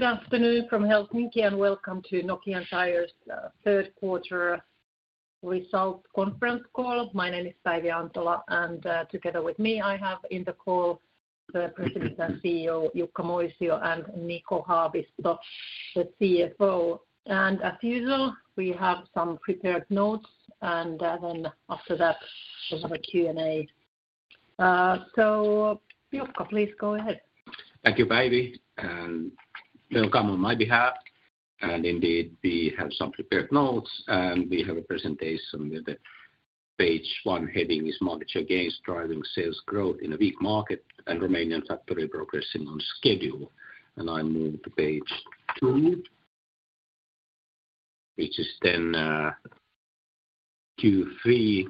Good afternoon from Helsinki and welcome to Nokian Tyres plc's third quarter results conference call. My name is Päivi Antola, and together with me I have in the call the President and CEO Jukka Moisio and Niko Haavisto, the CFO, and as usual, we have some prepared notes, and then after that we have a Q&A, so Jukka, please go ahead. Thank you, Päivi. Welcome on my behalf. And indeed we have some prepared notes, and we have a presentation with the page one heading is "Market gains driving sales growth in a weak market and Romanian factory progressing on schedule." And I move to page two, which is then Q3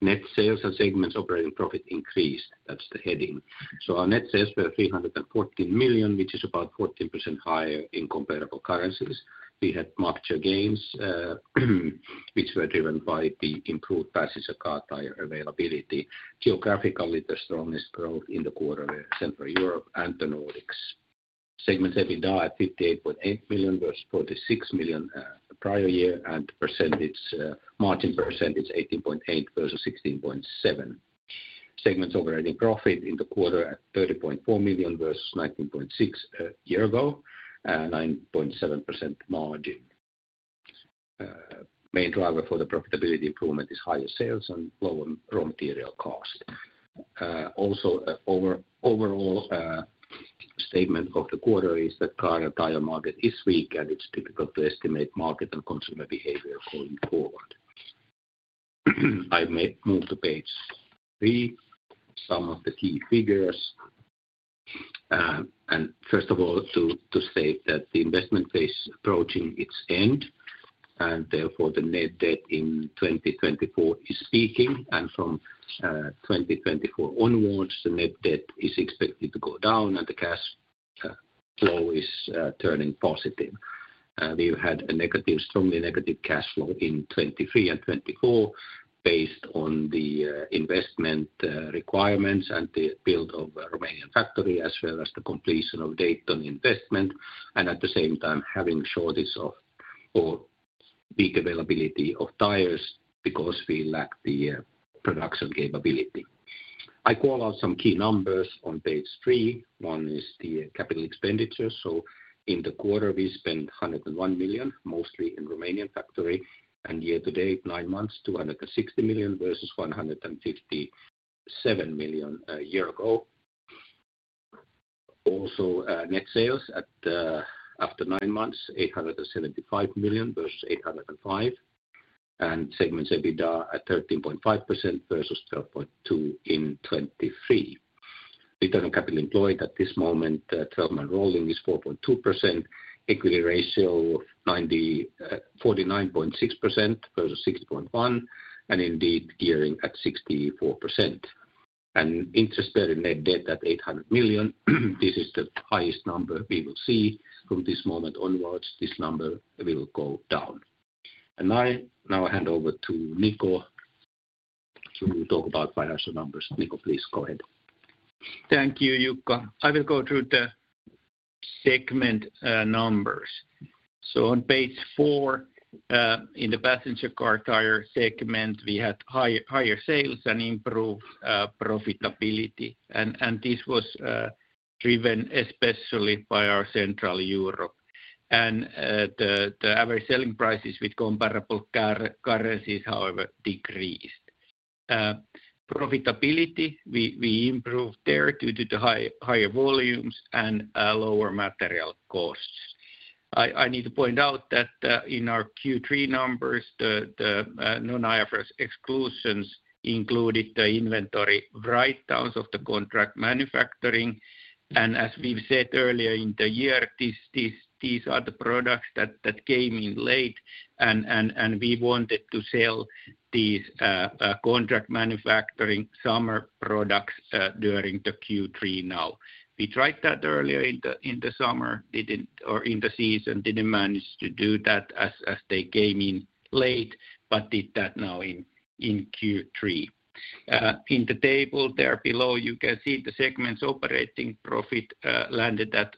net sales and segments operating profit increased. That's the heading. So our net sales were 314 million EUR, which is about 14% higher in comparable currencies. We had market gains, which were driven by the improved passenger car tire availability. Geographically, the strongest growth in the quarter were Central Europe and the Nordics. Segments EBITDA at 58.8 million EUR versus 46 million EUR prior year, and margin percentage 18.8% versus 16.7%. Segments operating profit in the quarter at 30.4 million EUR versus 19.6 million EUR a year ago, 9.7% margin. Main driver for the profitability improvement is higher sales and lower raw material cost. Also, overall statement of the quarter is that the car and tire market is weak, and it's difficult to estimate market and consumer behavior going forward. I may move to page 3, some of the key figures. First of all, to say that the investment phase is approaching its end, and therefore the net debt in 2024 is peaking. From 2024 onwards, the net debt is expected to go down, and the cash flow is turning positive. We've had a negative, strongly negative cash flow in 2023 and 2024 based on the investment requirements and the build of the Romanian factory, as well as the completion of the Dayton investment. At the same time, having shortage of or weak availability of tires because we lack the production capability. I call out some key numbers on page 3. One is the capital expenditure. In the quarter, we spent 101 million, mostly in the Romanian factory. Year to date, nine months, 260 million versus 157 million a year ago. Also, net sales after nine months, 875 million versus 805 million. And segments EBITDA at 13.5% versus 12.2% in 2023. Return on capital employed at this moment, 12-month rolling is 4.2%. Equity ratio of 49.6% versus 6.1%, and indeed gearing at 64%. And interest bearing net debt at 800 million. This is the highest number we will see from this moment onwards. This number will go down. And I now hand over to Niko to talk about financial numbers. Niko, please go ahead. Thank you, Jukka. I will go through the segment numbers. So on page four, in the passenger car tire segment, we had higher sales and improved profitability. And this was driven especially by our Central Europe. And the average selling prices with comparable currencies, however, decreased. Profitability, we improved there due to the higher volumes and lower material costs. I need to point out that in our Q3 numbers, the non-IFRS exclusions included the inventory write-downs of the contract manufacturing. And as we've said earlier in the year, these are the products that came in late, and we wanted to sell these contract manufacturing summer products during the Q3 now. We tried that earlier in the summer, or in the season, didn't manage to do that as they came in late, but did that now in Q3. In the table there below, you can see the segments operating profit landed at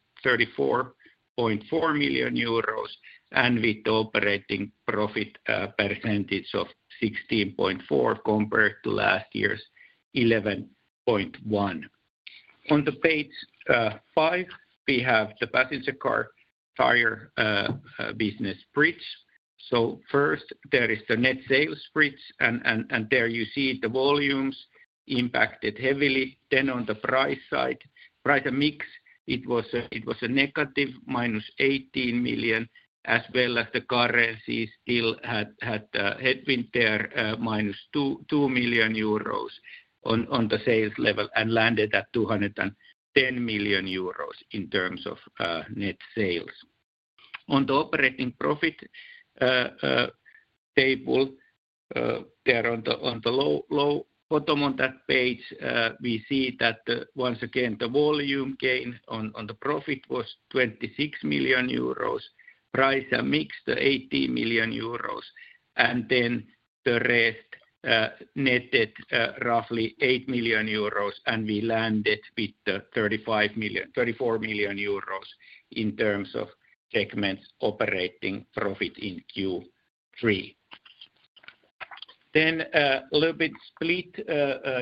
34.4 million euros, and with the operating profit percentage of 16.4% compared to last year's 11.1%. On the page five, we have the passenger car tire business spreads. So first, there is the net sales spreads, and there you see the volumes impacted heavily. Then on the price side, price and mix, it was a negative minus 18 million, as well as the currency still had been there minus 2 million euros on the sales level and landed at 210 million euros in terms of net sales. On the operating profit table, there on the low bottom on that page, we see that once again the volume gain on the profit was 26 million euros, price and mix 18 million euros, and then the rest netted roughly 8 million euros, and we landed with 34 million euros in terms of segments operating profit in Q3. Then a little bit split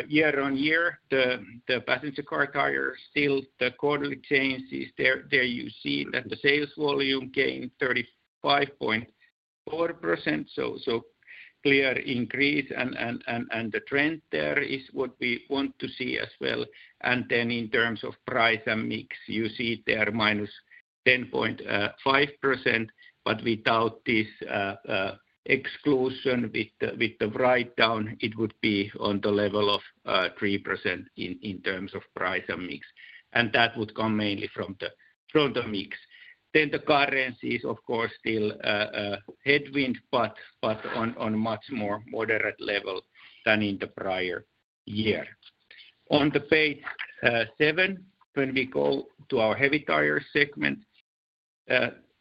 year-on-year, the Passenger Car Tyres, the quarterly changes, there you see that the sales volume gained 35.4%, so clear increase, and the trend there is what we want to see as well. And then in terms of price and mix, you see there minus 10.5%, but without this exclusion with the write-down, it would be on the level of 3% in terms of price and mix. And that would come mainly from the mix. Then the currencies, of course, still headwind, but on much more moderate level than in the prior year. On page seven, when we go to our Heavy Tyres segment,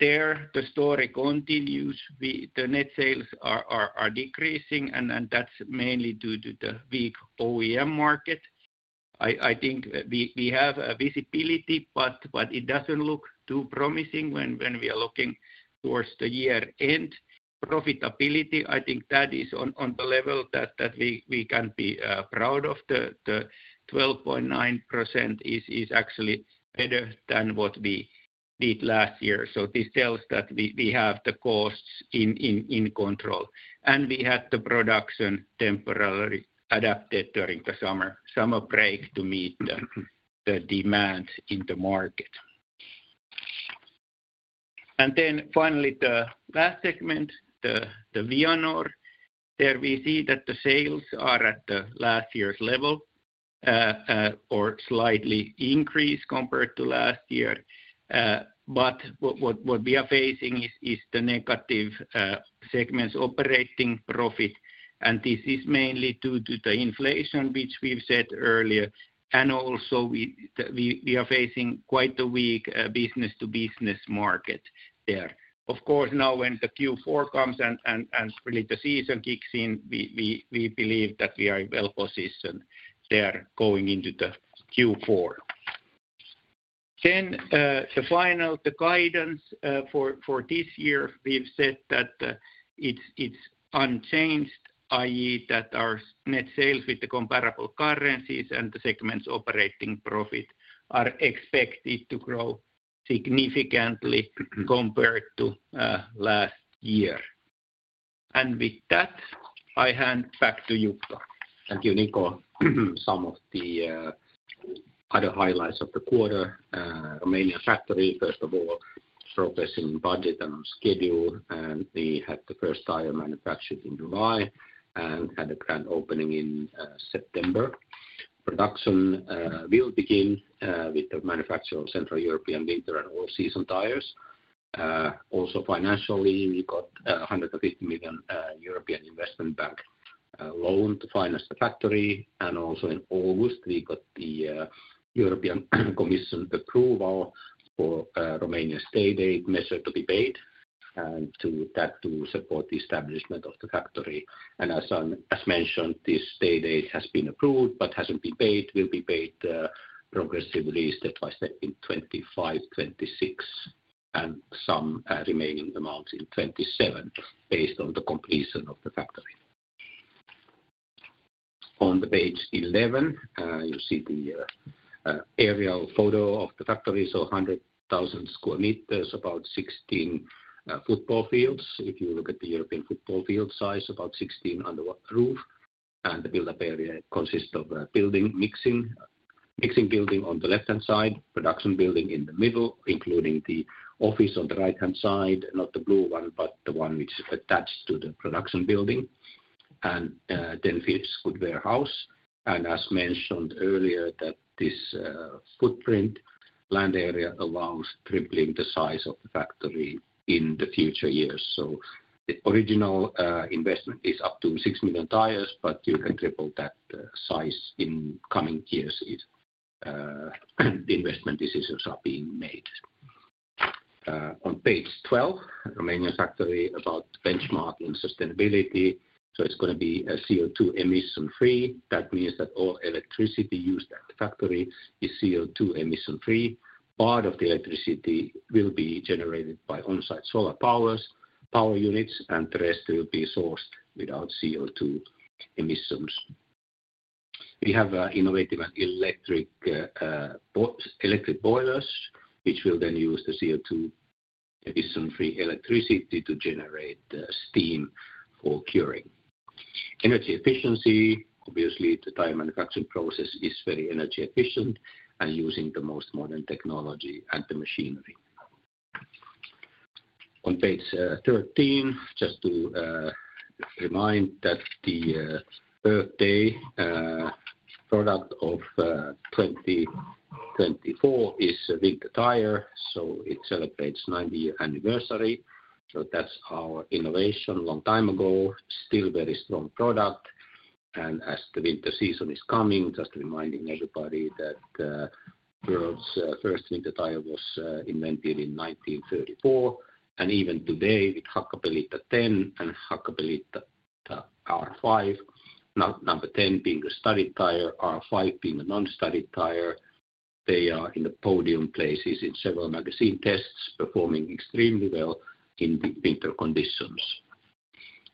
there the story continues. The net sales are decreasing, and that's mainly due to the weak OEM market. I think we have visibility, but it doesn't look too promising when we are looking towards the year end. Profitability, I think that is on the level that we can be proud of. The 12.9% is actually better than what we did last year. So this tells that we have the costs in control. And we had the production temporarily adapted during the summer break to meet the demand in the market. And then finally, the last segment, the Vianor, there we see that the sales are at the last year's level or slightly increased compared to last year. But what we are facing is the negative segments operating profit, and this is mainly due to the inflation, which we've said earlier. And also we are facing quite a weak business-to-business market there. Of course, now when the Q4 comes and really the season kicks in, we believe that we are well positioned there going into the Q4. Then the final, the guidance for this year, we've said that it's unchanged, i.e. that our net sales with the comparable currencies and the segments operating profit are expected to grow significantly compared to last year. And with that, I hand back to Jukka. Thank you, Niko. Some of the other highlights of the quarter: Romanian factory, first of all, progressing on budget and on schedule. We had the first tire manufactured in July and had a grand opening in September. Production will begin with the manufacture of Central European winter and all-season tires. Also financially, we got 150 million European Investment Bank loan to finance the factory. Also in August, we got the European Commission approval for Romania's state aid to be paid, and that to support the establishment of the factory. As mentioned, this state aid has been approved but hasn't been paid, will be paid progressively step by step in 2025, 2026, and some remaining amounts in 2027 based on the completion of the factory. On page 11, you'll see the aerial photo of the factory, so 100,000 square meters, about 16 football fields. If you look at the European football field size, about 16 under one roof, and the build-up area consists of a building mixing building on the left-hand side, production building in the middle, including the office on the right-hand side, not the blue one, but the one which is attached to the production building, and then finished goods warehouse. And as mentioned earlier, that this footprint land area allows tripling the size of the factory in the future years. So the original investment is up to six million tires, but you can triple that size in coming years if the investment decisions are being made. On page 12, Romanian factory about benchmarking sustainability. So it's going to be CO2 emission-free. That means that all electricity used at the factory is CO2 emission-free. Part of the electricity will be generated by on-site solar power units, and the rest will be sourced without CO2 emissions. We have innovative electric boilers, which will then use the CO2 emission-free electricity to generate steam for curing. Energy efficiency, obviously, the tire manufacturing process is very energy efficient and using the most modern technology and the machinery. On page 13, just to remind that the birthday product of 2024 is a winter tire, so it celebrates 90-year anniversary. That's our innovation a long time ago, still a very strong product. As the winter season is coming, just reminding everybody that the world's first winter tire was invented in 1934. Even today with Hakkapeliitta 10 and Hakkapeliitta R5, number 10 being a studded tire, R5 being a non-studded tire, they are in the podium places in several magazine tests, performing extremely well in winter conditions.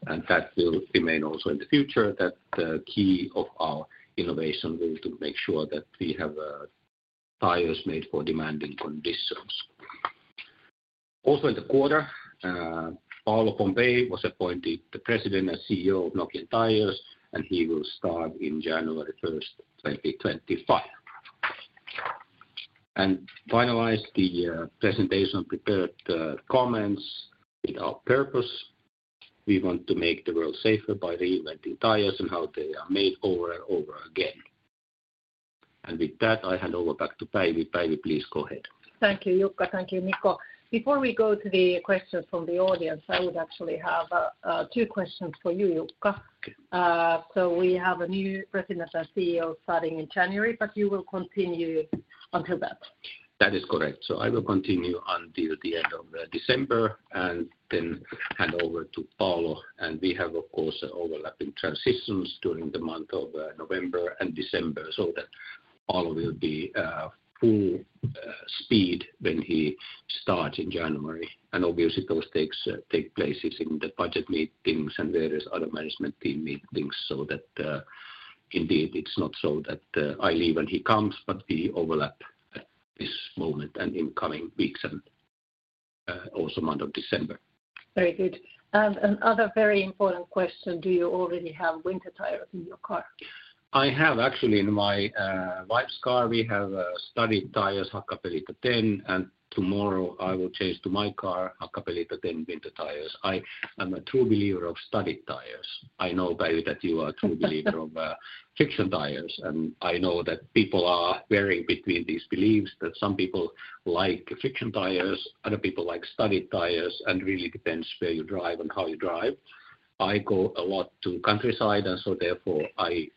That will remain also in the future, that the key of our innovation will be to make sure that we have tires made for demanding conditions. Also in the quarter, Paolo Pompei, who was appointed the President and CEO of Nokian Tyres, and he will start in January 1st, 2025. Finalize the presentation prepared comments with our purpose. We want to make the world safer by reinventing tires and how they are made over and over again. With that, I hand over back to Päivi. Päivi, please go ahead. Thank you, Jukka. Thank you, Niko. Before we go to the questions from the audience, I would actually have two questions for you, Jukka. So we have a new president and CEO starting in January, but you will continue until that. That is correct. So I will continue until the end of December and then hand over to Paolo. And we have, of course, overlapping transitions during the month of November and December, so that Paolo will be full speed when he starts in January. And obviously, those take place in the budget meetings and various other management team meetings, so that indeed it's not so that I leave and he comes, but we overlap at this moment and in coming weeks and also month of December. Very good. And another very important question, do you already have winter tires in your car? I have actually in my wife's car. We have studded tires, Hakkapeliitta 10, and tomorrow I will change to my car, Hakkapeliitta 10 winter tires. I am a true believer of studded tires. I know, Päivi, that you are a true believer of friction tires, and I know that people are varying between these beliefs, that some people like friction tires, other people like studded tires, and really depends where you drive and how you drive. I go a lot to countryside, and so therefore I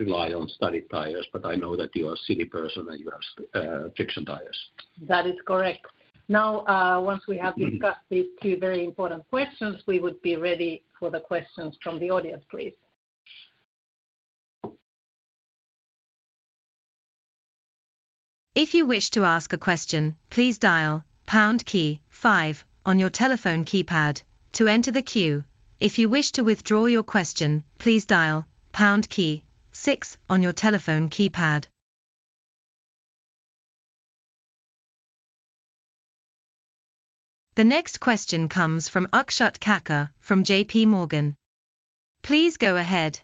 rely on studded tires, but I know that you are a city person and you have friction tires. That is correct. Now, once we have discussed these two very important questions, we would be ready for the questions from the audience, please. If you wish to ask a question, please dial #5 on your telephone keypad to enter the queue. If you wish to withdraw your question, please dial #6 on your telephone keypad. The next question comes from Akshat Kacker from J.P. Morgan. Please go ahead.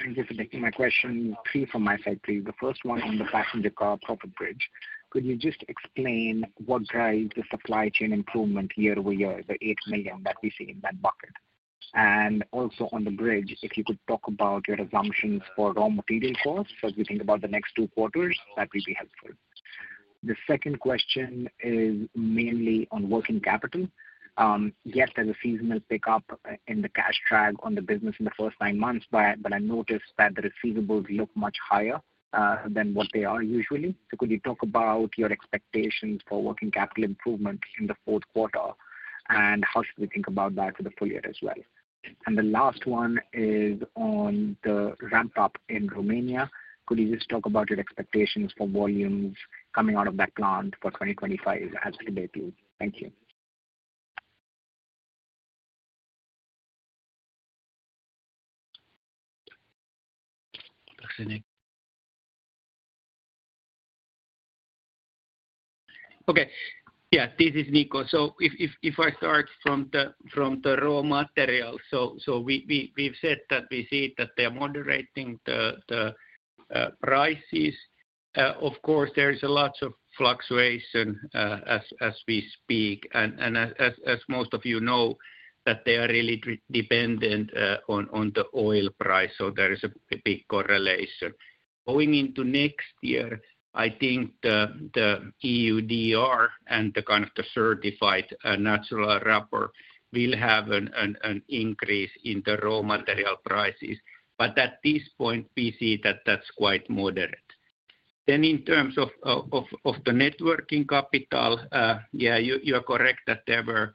Thank you for taking my question. Two from my side, please. The first one on the Passenger Car Tyres bridge. Could you just explain what drives the supply chain improvement year-over-year, the 8 million that we see in that bucket? And also on the bridge, if you could talk about your assumptions for raw material costs as we think about the next two quarters, that would be helpful. The second question is mainly on working capital. Yes, there's a seasonal pickup in the cash drag on the business in the first nine months, but I noticed that the receivables look much higher than what they are usually. So could you talk about your expectations for working capital improvement in the fourth quarter, and how should we think about that for the full year as well? And the last one is on the ramp-up in Romania. Could you just talk about your expectations for volumes coming out of that plant for 2025 as of today, please? Thank you. Okay. Yeah, this is Niko. So if I start from the raw material, so we've said that we see that they are moderating the prices. Of course, there's a lot of fluctuation as we speak, and as most of you know, that they are really dependent on the oil price, so there is a big correlation. Going into next year, I think the EUDR and the kind of the certified natural rubber will have an increase in the raw material prices, but at this point, we see that that's quite moderate. Then in terms of the net working capital, yeah, you are correct that there were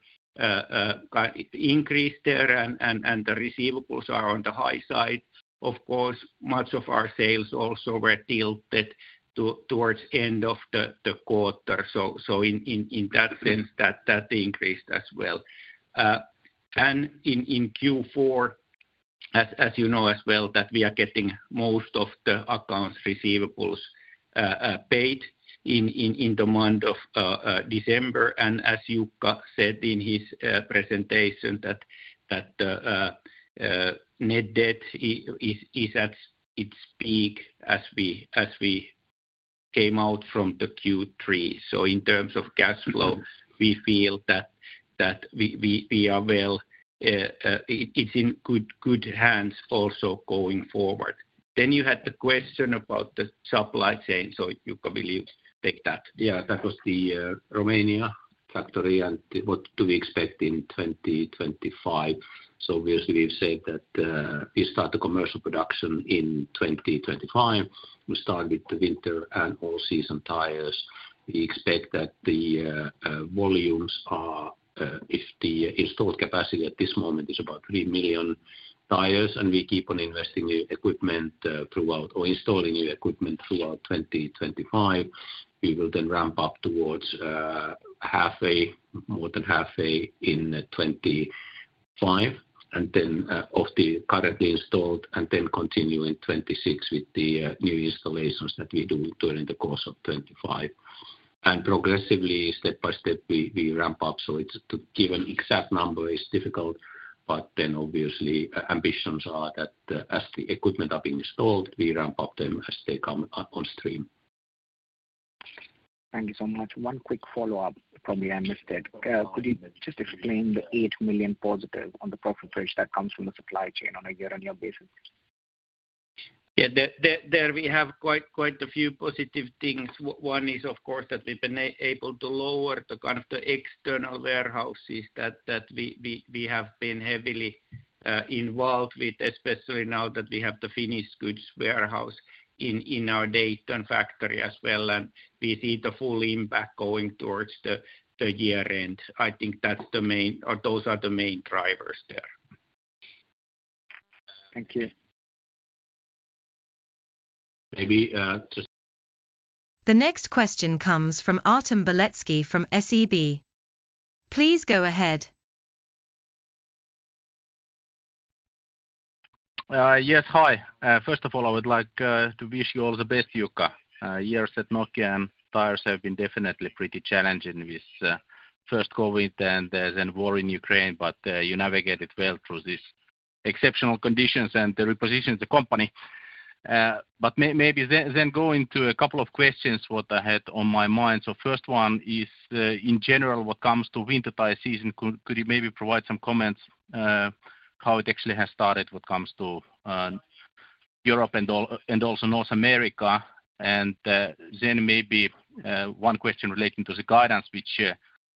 increases there, and the receivables are on the high side. Of course, much of our sales also were tilted towards the end of the quarter, so in that sense, that increased as well. And in Q4, as you know as well, that we are getting most of the accounts receivables paid in the month of December. And as Jukka said in his presentation, that net debt is at its peak as we came out from the Q3. So in terms of cash flow, we feel that we are well. It's in good hands also going forward. Then you had the question about the supply chain, so Jukka, will you take that? Yeah, that was the Romania factory. And what do we expect in 2025? So obviously, we've said that we start the commercial production in 2025. We start with the winter and all-season tires. We expect that the volumes are, if the installed capacity at this moment is about 3 million tires, and we keep on investing new equipment throughout or installing new equipment throughout 2025, we will then ramp up towards halfway, more than halfway in 2025, and then of the currently installed, and then continue in 2026 with the new installations that we do during the course of 2025. Progressively, step by step, we ramp up. To give an exact number is difficult, but then obviously, ambitions are that as the equipment are being installed, we ramp up them as they come on stream. Thank you so much. One quick follow-up from the end of the stage. Could you just explain the 8 million positive on the profit range that comes from the supply chain on a year-over-year basis? Yeah, there we have quite a few positive things. One is, of course, that we've been able to lower the kind of external warehouses that we have been heavily involved with, especially now that we have the finished goods warehouse in our Dayton factory as well, and we see the full impact going towards the year-end. I think that's the main or those are the main drivers there. Thank you. Maybe just. The next question comes from Artem Beletski from SEB. Please go ahead. Yes, hi. First of all, I would like to wish you all the best, Jukka. Years at Nokian Tyres have been definitely pretty challenging with first COVID and then war in Ukraine, but you navigated well through these exceptional conditions and the repositioning of the company. But maybe then going to a couple of questions, what I had on my mind. So first one is, in general, what comes to winter tire season, could you maybe provide some comments how it actually has started what comes to Europe and also North America? And then maybe one question relating to the guidance, which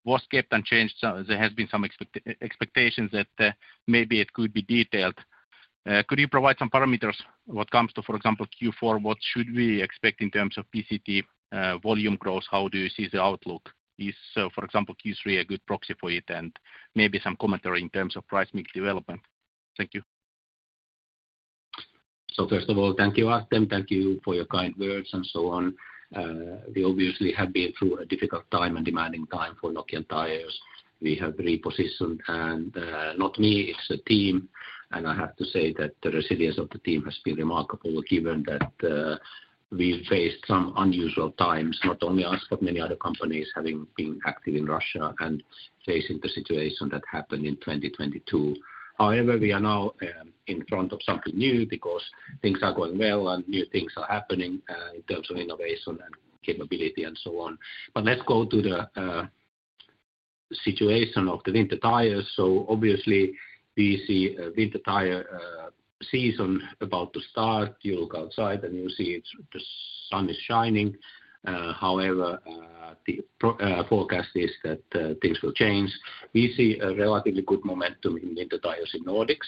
was kept unchanged. There has been some expectations that maybe it could be detailed. Could you provide some parameters what comes to, for example, Q4? What should we expect in terms of PCT volume growth? How do you see the outlook? Is, for example, Q3 a good proxy for it? And maybe some commentary in terms of price mix development. Thank you. So first of all, thank you, Artem. Thank you for your kind words and so on. We obviously have been through a difficult time and demanding time for Nokian Tyres. We have repositioned, and not me, it's the team. I have to say that the resilience of the team has been remarkable, given that we faced some unusual times, not only us, but many other companies having been active in Russia and facing the situation that happened in 2022. However, we are now in front of something new because things are going well and new things are happening in terms of innovation and capability and so on. Let's go to the situation of the winter tires. So obviously, we see a winter tire season about to start. You look outside and you see the sun is shining. However, the forecast is that things will change. We see a relatively good momentum in winter tires in Nordics.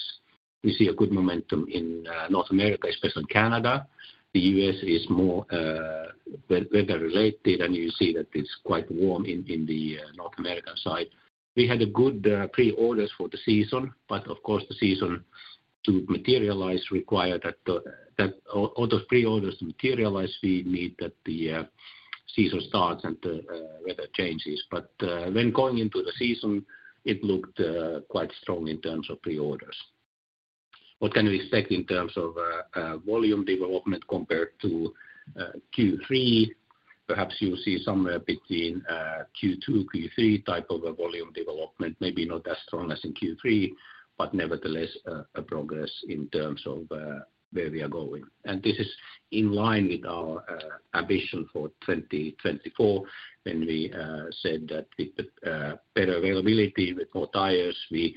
We see a good momentum in North America, especially in Canada. The US is more weather-related, and you see that it's quite warm in the North American side. We had good pre-orders for the season, but of course, the season to materialize required that all those pre-orders to materialize. We need that the season starts and the weather changes. But when going into the season, it looked quite strong in terms of pre-orders. What can we expect in terms of volume development compared to Q3? Perhaps you see somewhere between Q2, Q3 type of a volume development, maybe not as strong as in Q3, but nevertheless a progress in terms of where we are going. And this is in line with our ambition for 2024, when we said that with better availability, with more tires, we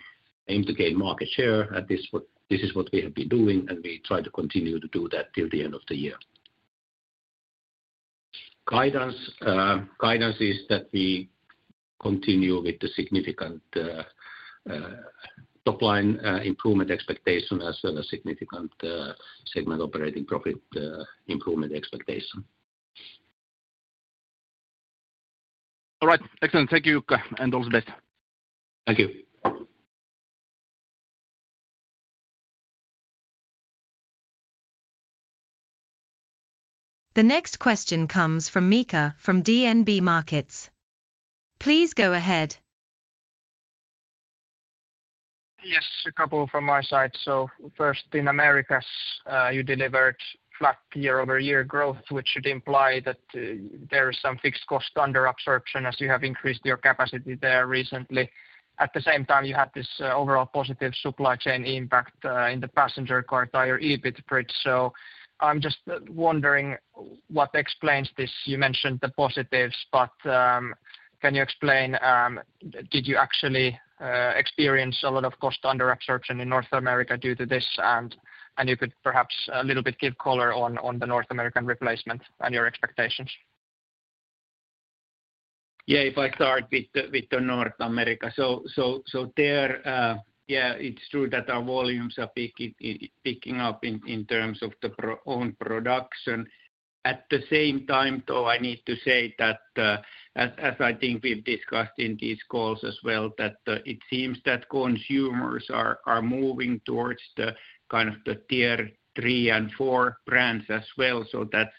aim to gain market share. And this is what we have been doing, and we try to continue to do that till the end of the year. Guidance is that we continue with the significant top-line improvement expectation as well as significant segment operating profit improvement expectation. All right. Excellent. Thank you, Jukka. And all the best. Thank you. The next question comes from Miika from DNB Markets. Please go ahead. Yes, a couple from my side, so first, in America, you delivered flat year-over-year growth, which should imply that there is some fixed cost under absorption as you have increased your capacity there recently. At the same time, you had this overall positive supply chain impact in the passenger car tire EBIT bridge, so I'm just wondering what explains this. You mentioned the positives, but can you explain, did you actually experience a lot of cost under absorption in North America due to this, and you could perhaps a little bit give color on the North American replacement and your expectations? Yeah, if I start with North America. So there, yeah, it's true that our volumes are picking up in terms of the own production. At the same time, though, I need to say that, as I think we've discussed in these calls as well, that it seems that consumers are moving towards the kind of the Tier 3 and 4 brands as well. So that's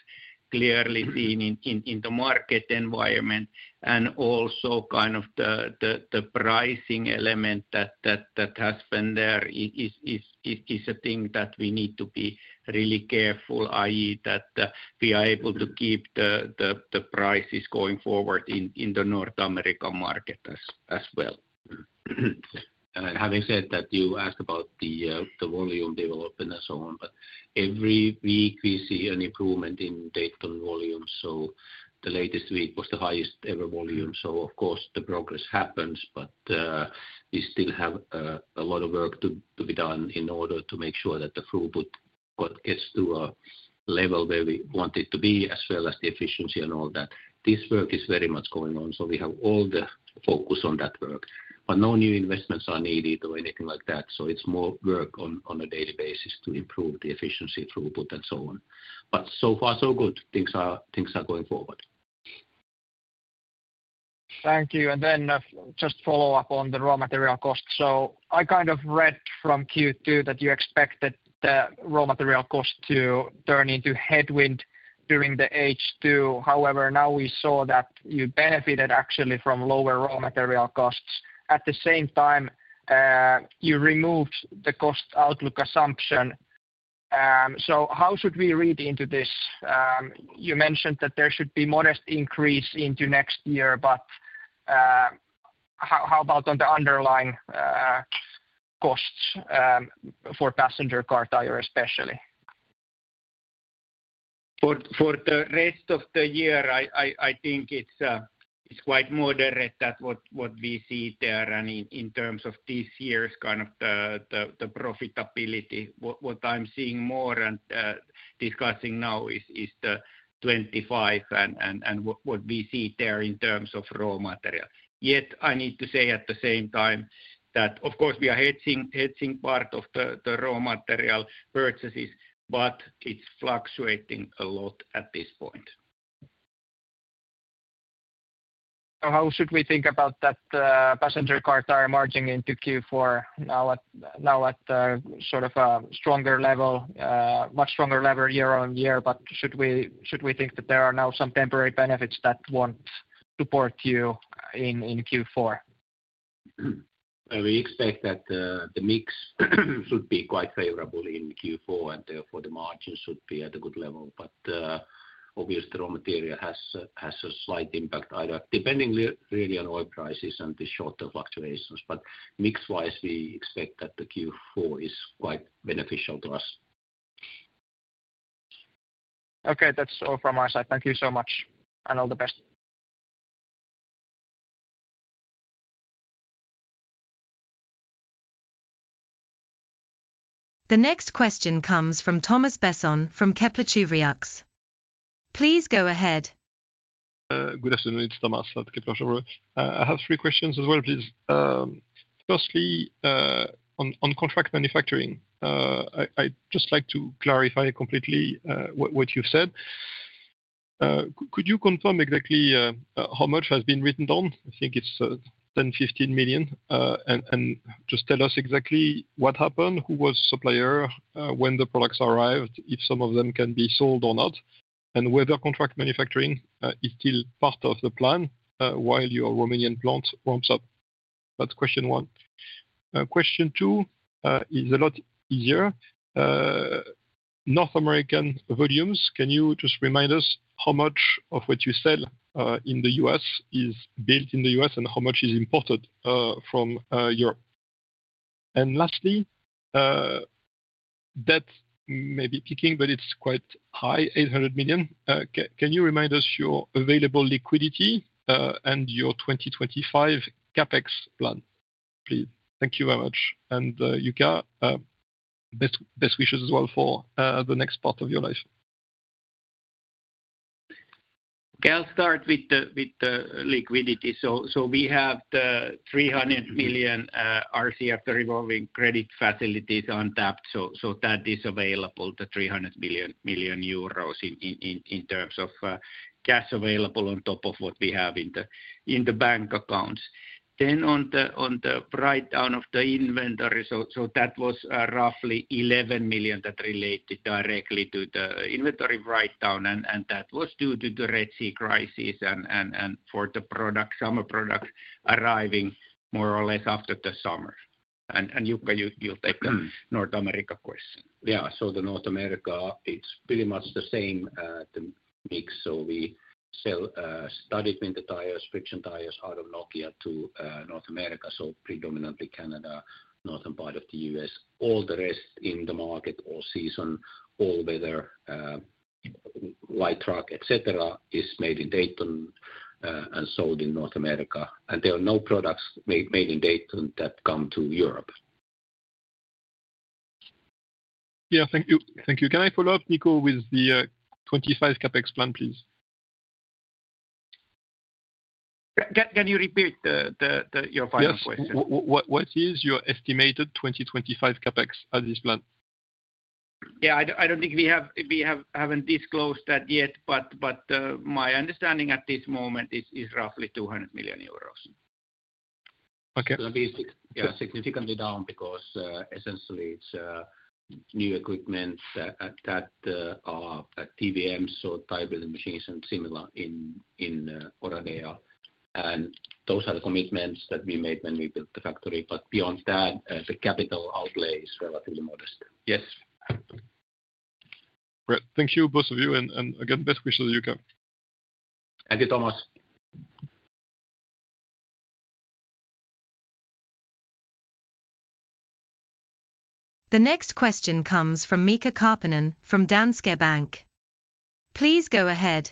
clearly seen in the market environment. And also kind of the pricing element that has been there is a thing that we need to be really careful, i.e., that we are able to keep the prices going forward in the North America market as well. Having said that, you asked about the volume development and so on, but every week we see an improvement in Dayton volume. So the latest week was the highest ever volume. So of course, the progress happens, but we still have a lot of work to be done in order to make sure that the throughput gets to a level where we want it to be, as well as the efficiency and all that. This work is very much going on, so we have all the focus on that work. But no new investments are needed or anything like that. So it's more work on a daily basis to improve the efficiency, throughput, and so on. But so far, so good. Things are going forward. Thank you. And then just follow up on the raw material cost. So I kind of read from Q2 that you expected the raw material cost to turn into headwind during the H2. However, now we saw that you benefited actually from lower raw material costs. At the same time, you removed the cost outlook assumption. So how should we read into this? You mentioned that there should be a modest increase into next year, but how about on the underlying costs for passenger car tire, especially? For the rest of the year, I think it's quite moderate, that what we see there, and in terms of this year's kind of the profitability, what I'm seeing more and discussing now is 2025 and what we see there in terms of raw material. Yet I need to say at the same time that, of course, we are hedging part of the raw material purchases, but it's fluctuating a lot at this point. So how should we think about that passenger car tire margin into Q4 now at sort of a stronger level, much stronger level year on year? But should we think that there are now some temporary benefits that won't support you in Q4? We expect that the mix should be quite favorable in Q4, and therefore the margin should be at a good level. But obviously, the raw material has a slight impact, either depending really on oil prices and the shorter fluctuations. But mixed-wise, we expect that the Q4 is quite beneficial to us. Okay, that's all from my side. Thank you so much, and all the best. The next question comes from Thomas Besson from Kepler Cheuvreux. Please go ahead. Good afternoon, it's Thomas at Kepler Cheuvreux. I have three questions as well, please. Firstly, on contract manufacturing, I'd just like to clarify completely what you've said. Could you confirm exactly how much has been written down? I think it's 10-15 million. And just tell us exactly what happened, who was the supplier when the products arrived, if some of them can be sold or not, and whether contract manufacturing is still part of the plan while your Romanian plant warms up. That's question one. Question two is a lot easier. North American volumes, can you just remind us how much of what you sell in the US is built in the US and how much is imported from Europe? And lastly, debt may be peaking, but it's quite high, 800 million. Can you remind us your available liquidity and your 2025 CapEx plan, please? Thank you very much. Jukka, best wishes as well for the next part of your life. Okay, I'll start with the liquidity so we have the 300 million RCF, the revolving credit facilities untapped so that is available, the 300 million euros in terms of cash available on top of what we have in the bank accounts then on the breakdown of the inventory so that was roughly 11 million that related directly to the inventory breakdown, and that was due to the Red Sea crisis and for the product, summer product arriving more or less after the summer and Jukka, you'll take the North America question. Yeah, so the North America, it's pretty much the same mix so we sell studded winter tires, friction tires out of Nokia to North America, so predominantly Canada, northern part of the US. All the rest in the market, all season, all weather, light truck, etc., is made in Dayton and sold in North America. There are no products made in Dayton that come to Europe. Yeah, thank you. Can I follow up, Niko, with the 2025 CapEx plan, please? Can you repeat your final question? Yes. What is your estimated 2025 CapEx at this plan? Yeah, I don't think we haven't disclosed that yet, but my understanding at this moment is roughly 200 million euros. Okay. It's going to be significantly down because essentially it's new equipment that are TBMs, so tire-building machines and similar in Oradea. And those are the commitments that we made when we built the factory. But beyond that, the capital outlay is relatively modest. Yes. Great. Thank you, both of you. And again, best wishes, Jukka. Thank you, Thomas. The next question comes from Mika Karppinen from Danske Bank. Please go ahead.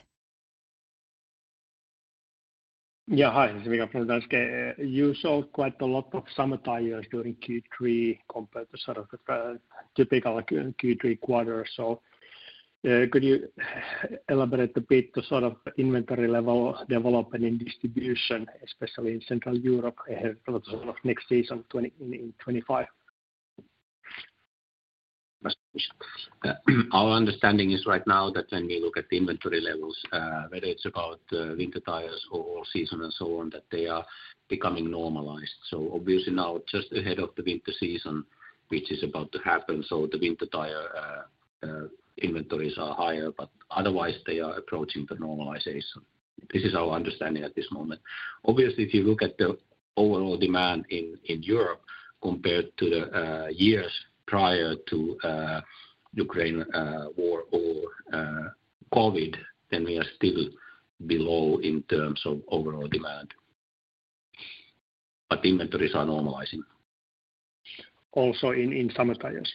Yeah, hi. This is Mika from Danske. You sold quite a lot of summer tires during Q3 compared to sort of the typical Q3 quarter. So could you elaborate a bit to sort of inventory level development and distribution, especially in Central Europe, ahead of the sort of next season in 2025? Our understanding is right now that when we look at the inventory levels, whether it's about winter tires or all season and so on, that they are becoming normalized. So obviously now, just ahead of the winter season, which is about to happen, so the winter tire inventories are higher, but otherwise they are approaching the normalization. This is our understanding at this moment. Obviously, if you look at the overall demand in Europe compared to the years prior to the Ukraine war or COVID, then we are still below in terms of overall demand. But inventories are normalizing. Also in summer tires?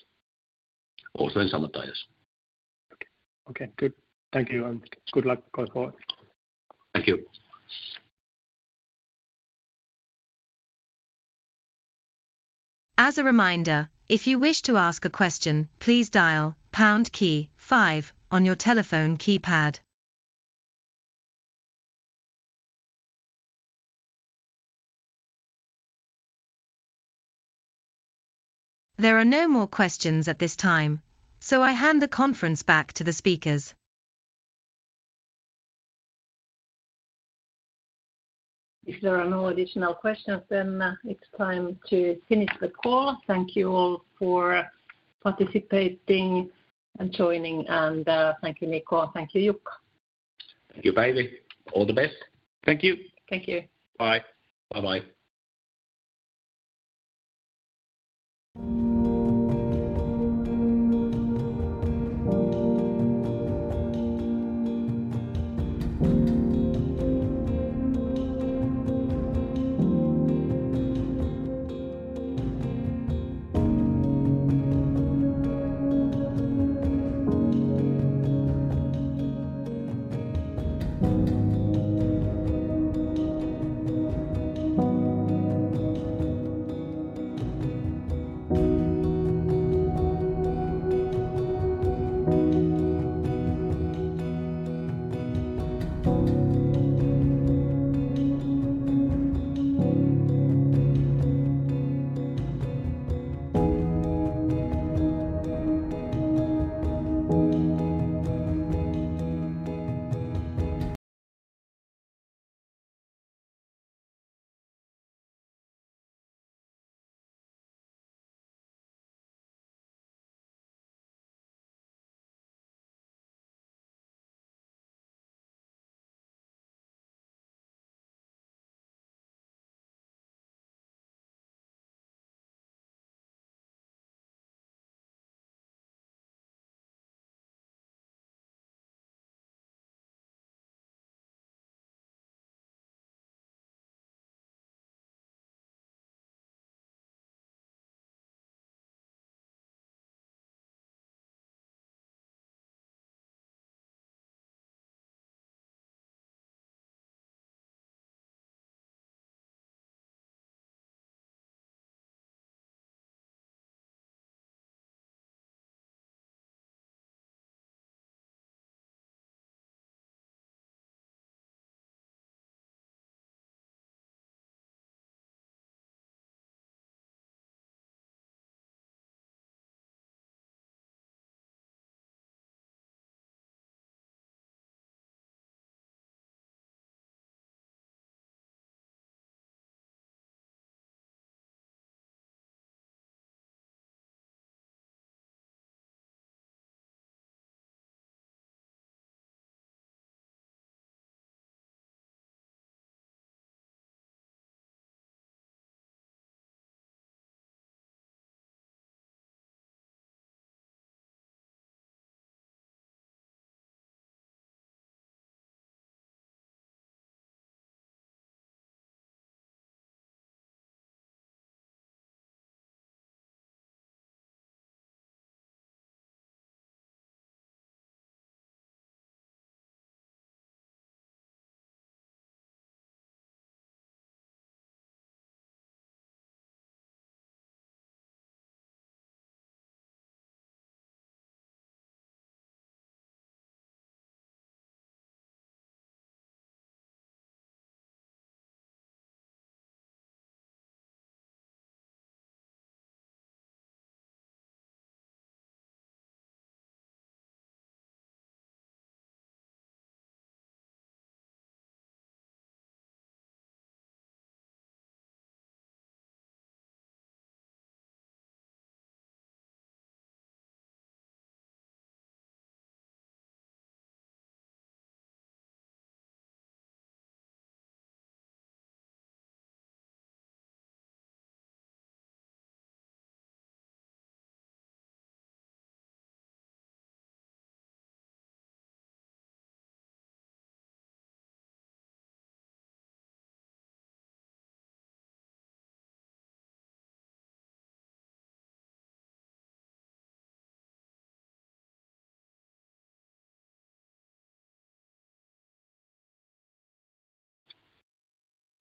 Also in summer tires. Okay. Good. Thank you and good luck going forward. Thank you. As a reminder, if you wish to ask a question, please dial #5 on your telephone keypad. There are no more questions at this time, so I hand the conference back to the speakers. If there are no additional questions, then it's time to finish the call. Thank you all for participating and joining. And thank you, Niko. Thank you, Jukka. Thank you, Päivi. All the best. Thank you. Thank you. Bye. Bye-bye.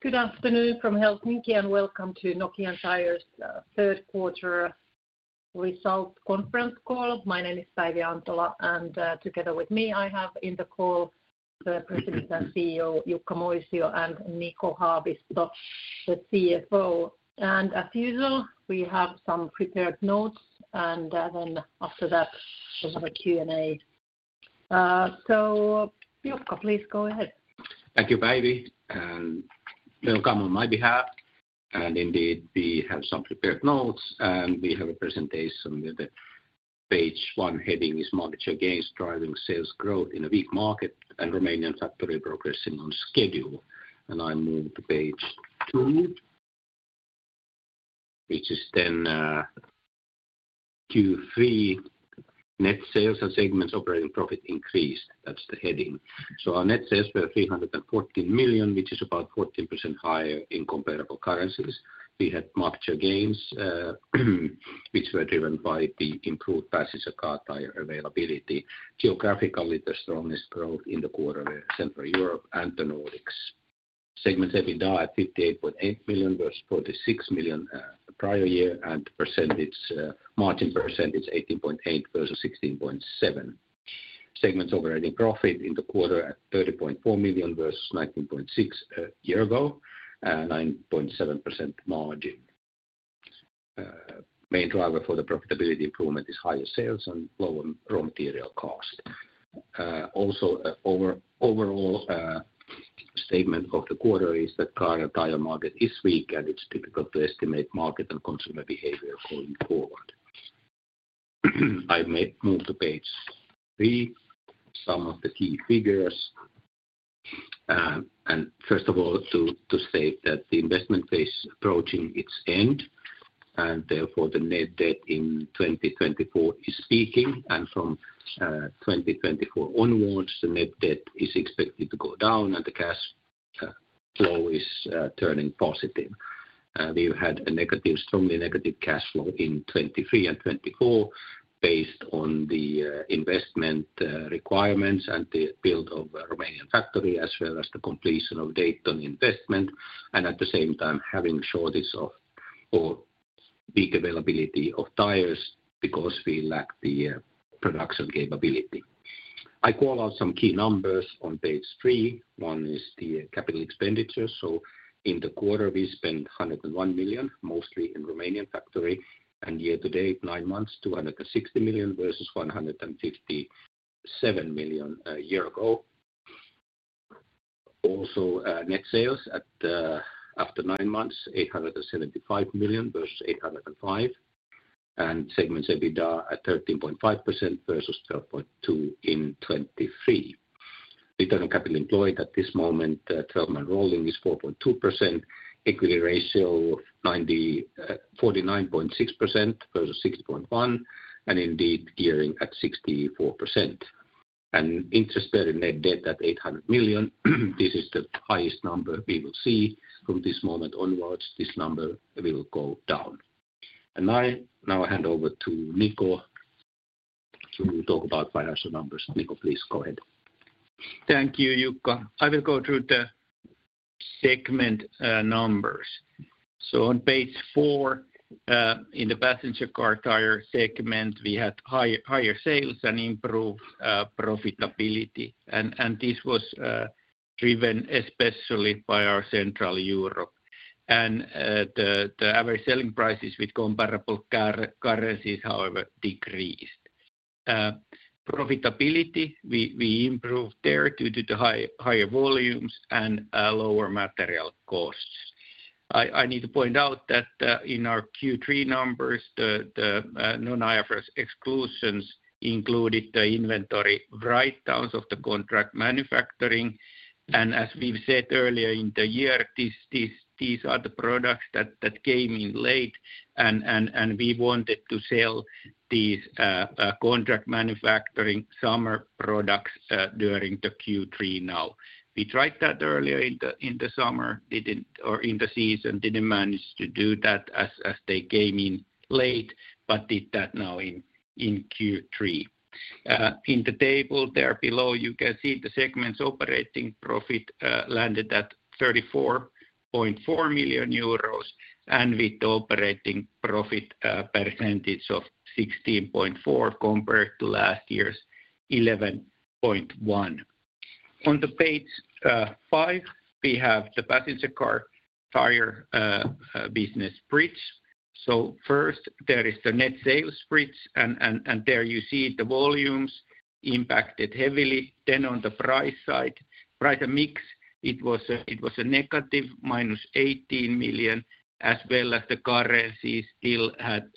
Good afternoon from Helsinki and welcome to Nokian Tyres' third quarter result conference call. My name is Päivi Antola, and together with me, I have in the call the President and CEO, Jukka Moisio, and Niko Haavisto, the CFO. And as usual, we have some prepared notes, and then after that, we'll have a Q&A. So Jukka, please go ahead. Thank you, Päivi. And welcome on my behalf. And indeed, we have some prepared notes, and we have a presentation with the page one heading is "Market gains driving sales growth in a weak market and Romanian factory progressing on schedule." And I move to page two, which is then Q3 net sales and segments operating profit increased. That's the heading. So our net sales were 314 million, which is about 14% higher in comparable currencies. We had market share gains, which were driven by the improved passenger car tire availability. Geographically, the strongest growth in the quarter of Central Europe and the Nordics. Segments EBITDA at 58.8 million versus 46 million the prior year, and margin percentage 18.8% versus 16.7%. Segments operating profit in the quarter at 30.4 million versus 19.6 million a year ago, 9.7% margin. Main driver for the profitability improvement is higher sales and lower raw material cost. Also, overall statement of the quarter is that current tire market is weak, and it's difficult to estimate market and consumer behavior going forward. I may move to page three, some of the key figures, and first of all, to say that the investment phase is approaching its end, and therefore the net debt in 2024 is peaking. From 2024 onwards, the net debt is expected to go down, and the cash flow is turning positive. We've had a negative, strongly negative cash flow in 2023 and 2024 based on the investment requirements and the build of the Romanian factory, as well as the completion of Dayton investment. And at the same time, having shortage of or weak availability of tires because we lack the production capability. I call out some key numbers on page three. One is the capital expenditure. So in the quarter, we spent 101 million, mostly in the Romanian factory. And year to date, nine months, 260 million versus 157 million a year ago. Also, net sales after nine months, 875 million versus 805 million. And gross margins have been at 13.5% versus 12.2% in 2023. Return on capital employed at this moment, 12-month rolling, is 4.2%. Equity ratio of 49.6% versus 6.1%, and indeed, gearing at 64%. And interest-bearing net debt at 800 million. This is the highest number we will see from this moment onwards. This number will go down. And I now hand over to Niko to talk about financial numbers. Niko, please go ahead. Thank you, Jukka. I will go through the segment numbers, so on page four, in the passenger car tire segment, we had higher sales and improved profitability, and this was driven especially by our Central Europe. And the average selling prices with comparable currencies, however, decreased. Profitability, we improved there due to the higher volumes and lower material costs. I need to point out that in our Q3 numbers, the non-IFRS exclusions included the inventory write-downs of the contract manufacturing, and as we've said earlier in the year, these are the products that came in late, and we wanted to sell these contract manufacturing summer products during the Q3 now. We tried that earlier in the summer, or in the season, didn't manage to do that as they came in late, but did that now in Q3. In the table there below, you can see the segments operating profit landed at 34.4 million euros, and with the operating profit percentage of 16.4% compared to last year's 11.1%. On page five, we have the passenger car tire business split. So first, there is the net sales split, and there you see the volumes impacted heavily. Then on the price side, price and mix, it was a negative minus 18 million EUR, as well as the currency still had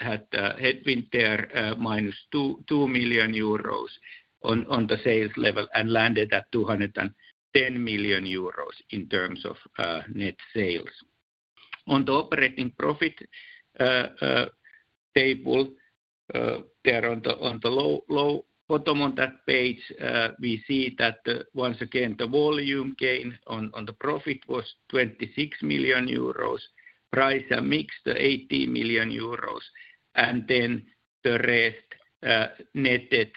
been there minus 2 million euros on the sales level and landed at 210 million euros in terms of net sales. On the operating profit table, there on the lower bottom on that page, we see that once again, the volume gain on the profit was 26 million euros, price and mix 18 million euros, and then the rest netted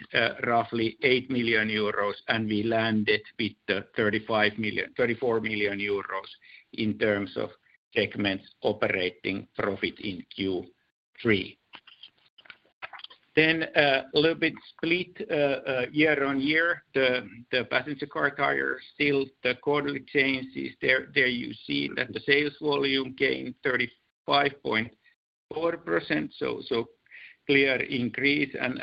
roughly 8 million euros, and we landed with 34 million euros in terms of segments operating profit in Q3. Then a little bit split year-on-year, the passenger car tire still, the quarterly changes, there you see that the sales volume gained 35.4%, so clear increase, and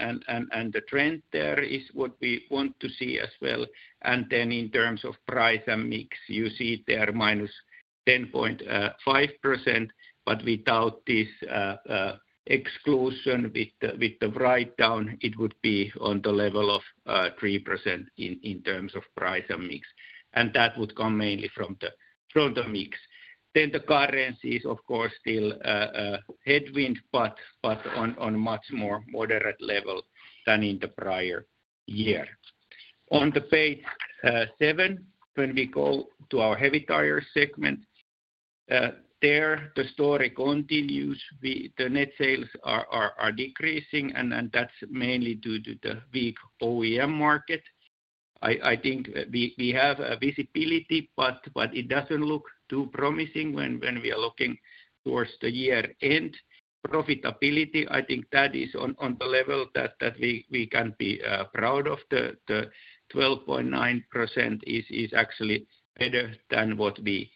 the trend there is what we want to see as well. And then in terms of price and mix, you see there minus 10.5%, but without this exclusion with the write-down, it would be on the level of 3% in terms of price and mix. And that would come mainly from the mix. Then the currencies, of course, still headwind, but on a much more moderate level than in the prior year. On page seven, when we go to our Heavy Tyres segment, there the story continues. The net sales are decreasing, and that's mainly due to the weak OEM market. I think we have visibility, but it doesn't look too promising when we are looking towards the year end. Profitability, I think that is on the level that we can be proud of. The 12.9% is actually better than what we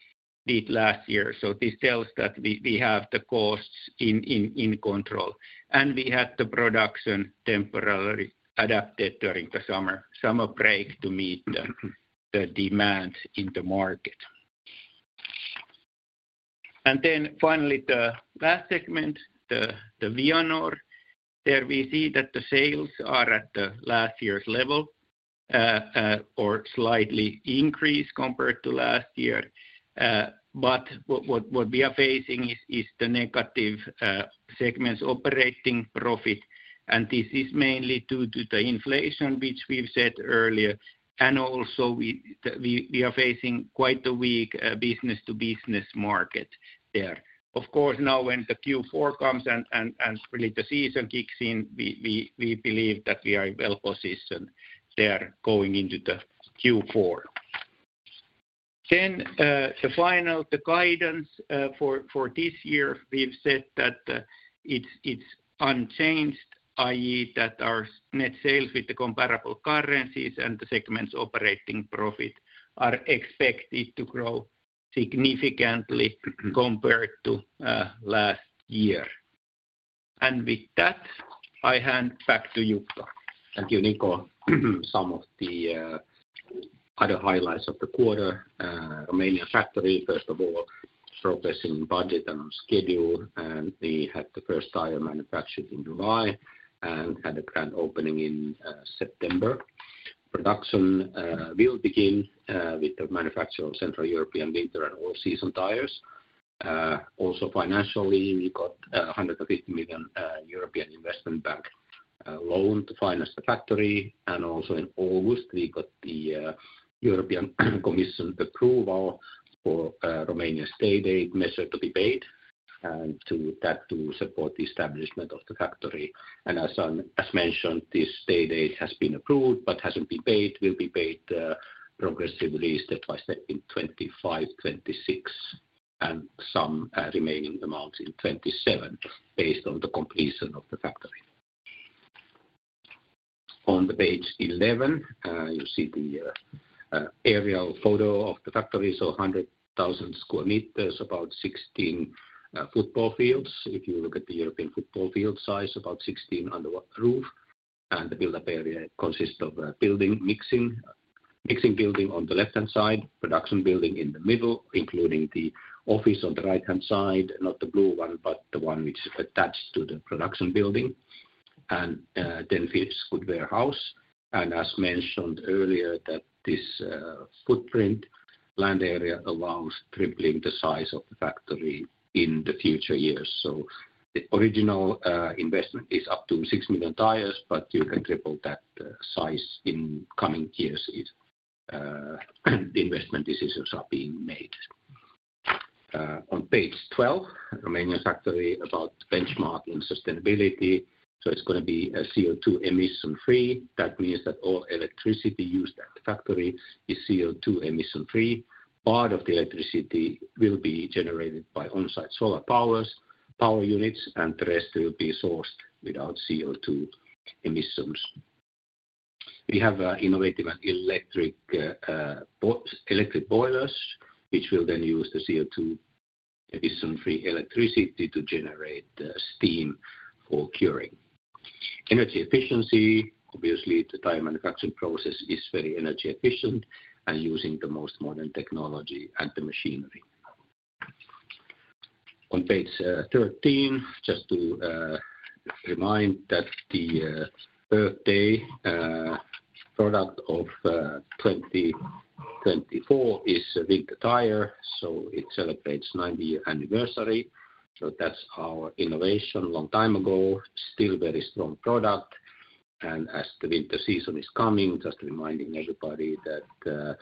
did last year. So this tells that we have the costs in control. And we had the production temporarily adapted during the summer break to meet the demand in the market. And then finally, the last segment, the Vianor, there we see that the sales are at the last year's level or slightly increased compared to last year. But what we are facing is the negative segments operating profit, and this is mainly due to the inflation, which we've said earlier. And also, we are facing quite a weak business-to-business market there. Of course, now when the Q4 comes and really the season kicks in, we believe that we are well positioned there going into the Q4. Then the final guidance for this year, we've said that it's unchanged, i.e., that our net sales with the comparable currencies and the segments operating profit are expected to grow significantly compared to last year. And with that, I hand back to Jukka. Thank you, Niko. Some of the other highlights of the quarter. Romania factory, first of all, progressing on budget and on schedule. We had the first tire manufactured in July and had a grand opening in September. Production will begin with the manufacture of Central European winter and all-season tires. Also, financially, we got 150 million European Investment Bank loan to finance the factory. Also in August, we got the European Commission approval for Romania's state aid measure to be paid, and that to support the establishment of the factory. As mentioned, this state aid has been approved but hasn't been paid, will be paid progressively step by step in 2025, 2026, and some remaining amounts in 2027 based on the completion of the factory. On page 11, you see the aerial photo of the factory, so 100,000 square meters, about 16 football fields. If you look at the European football field size, about 16 under one roof. The build-up area consists of a building mixing building on the left-hand side, production building in the middle, including the office on the right-hand side, not the blue one, but the one which is attached to the production building, and then a good warehouse. As mentioned earlier, that this footprint land area allows tripling the size of the factory in the future years. The original investment is up to six million tires, but you can triple that size in coming years if investment decisions are being made. On page 12, Romania factory about benchmarking sustainability. It's going to be CO2 emission-free. That means that all electricity used at the factory is CO2 emission-free. Part of the electricity will be generated by on-site solar power units, and the rest will be sourced without CO2 emissions. We have innovative electric boilers, which will then use the CO2 emission-free electricity to generate steam for curing. Energy efficiency, obviously. The tire manufacturing process is very energy efficient, and using the most modern technology and the machinery. On page 13, just to remind that the birthday product of 2024 is a winter tire, so it celebrates 90-year anniversary. So that's our innovation a long time ago, still a very strong product. And as the winter season is coming, just reminding everybody that the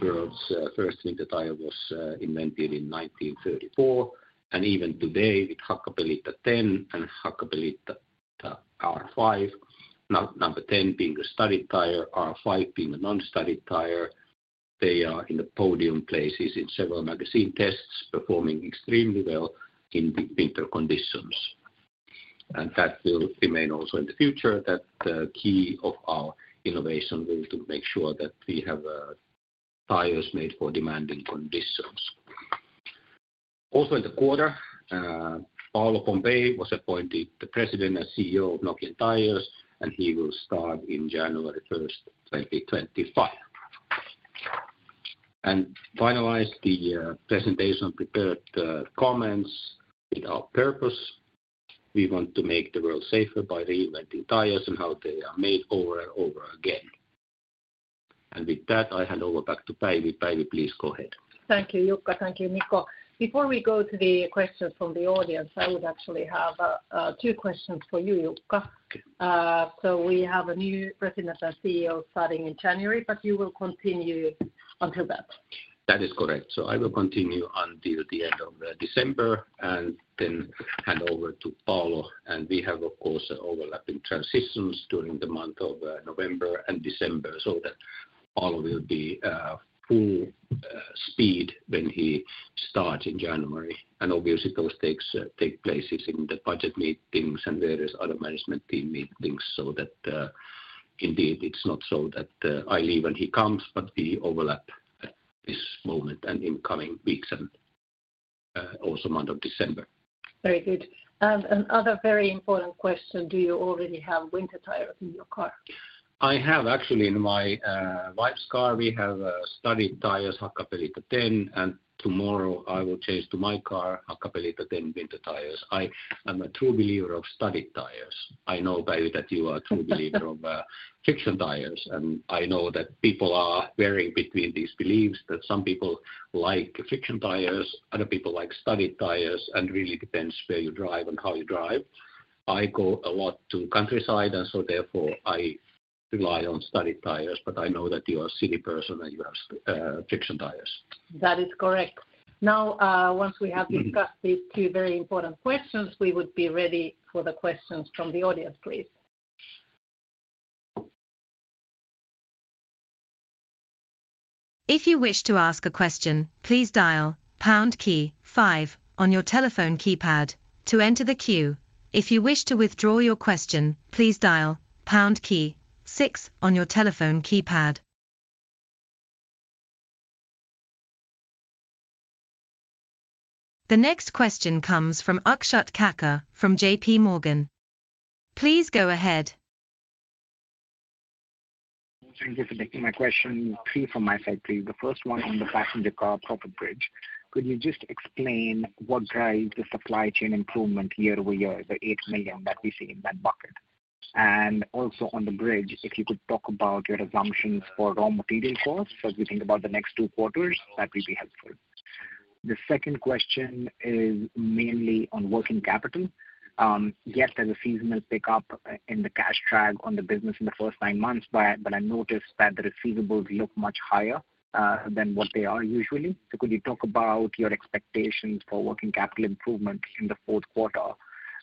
world's first winter tire was invented in 1934. And even today, with Hakkapeliitta 10 and Hakkapeliitta R5, number 10 being a studded tire, R5 being a non-studded tire, they are in the podium places in several magazine tests, performing extremely well in winter conditions. And that will remain also in the future, that the key of our innovation will be to make sure that we have tires made for demanding conditions. Also in the quarter, Paolo Pompei was appointed the President and CEO of Nokian Tyres, and he will start on January 1, 2025. And finalize the presentation prepared comments with our purpose. We want to make the world safer by reinventing tires and how they are made over and over again. And with that, I hand over back to Päivi. Päivi, please go ahead. Thank you, Jukka. Thank you, Niko. Before we go to the questions from the audience, I would actually have two questions for you, Jukka. So we have a new President and CEO starting in January, but you will continue until that. That is correct. So I will continue until the end of December, and then hand over to Paolo. And we have, of course, overlapping transitions during the month of November and December, so that Paolo will be full speed when he starts in January. And obviously, those take place in the budget meetings and various other management team meetings, so that indeed, it's not so that I leave and he comes, but we overlap at this moment and in coming weeks, and also month of December. Very good. Another very important question. Do you already have winter tires in your car? I actually have in my wife's car. We have studded tires, Hakkapeliitta 10, and tomorrow I will change to my car, Hakkapeliitta 10 winter tires. I am a true believer of studded tires. I know, Päivi, that you are a true believer of friction tires, and I know that people are varying between these beliefs, that some people like friction tires, other people like studded tires, and really depends where you drive and how you drive. I go a lot to countryside, and so therefore I rely on studded tires, but I know that you are a city person and you have friction tires. That is correct. Now, once we have discussed these two very important questions, we would be ready for the questions from the audience, please. If you wish to ask a question, please dial #5 on your telephone keypad to enter the queue. If you wish to withdraw your question, please dial #6 on your telephone keypad. The next question comes from Akshat Kacker from J.P. Morgan. Please go ahead. Thank you for taking my question. Three from my side, please. The first one on the passenger car profit bridge. Could you just explain what drives the supply chain improvement year-over-year, the 8 million EUR that we see in that bucket? And also on the bridge, if you could talk about your assumptions for raw material costs as we think about the next two quarters, that would be helpful. The second question is mainly on working capital. Yes, there's a seasonal pickup in the cash drag on the business in the first nine months, but I noticed that the receivables look much higher than what they are usually. So could you talk about your expectations for working capital improvement in the fourth quarter,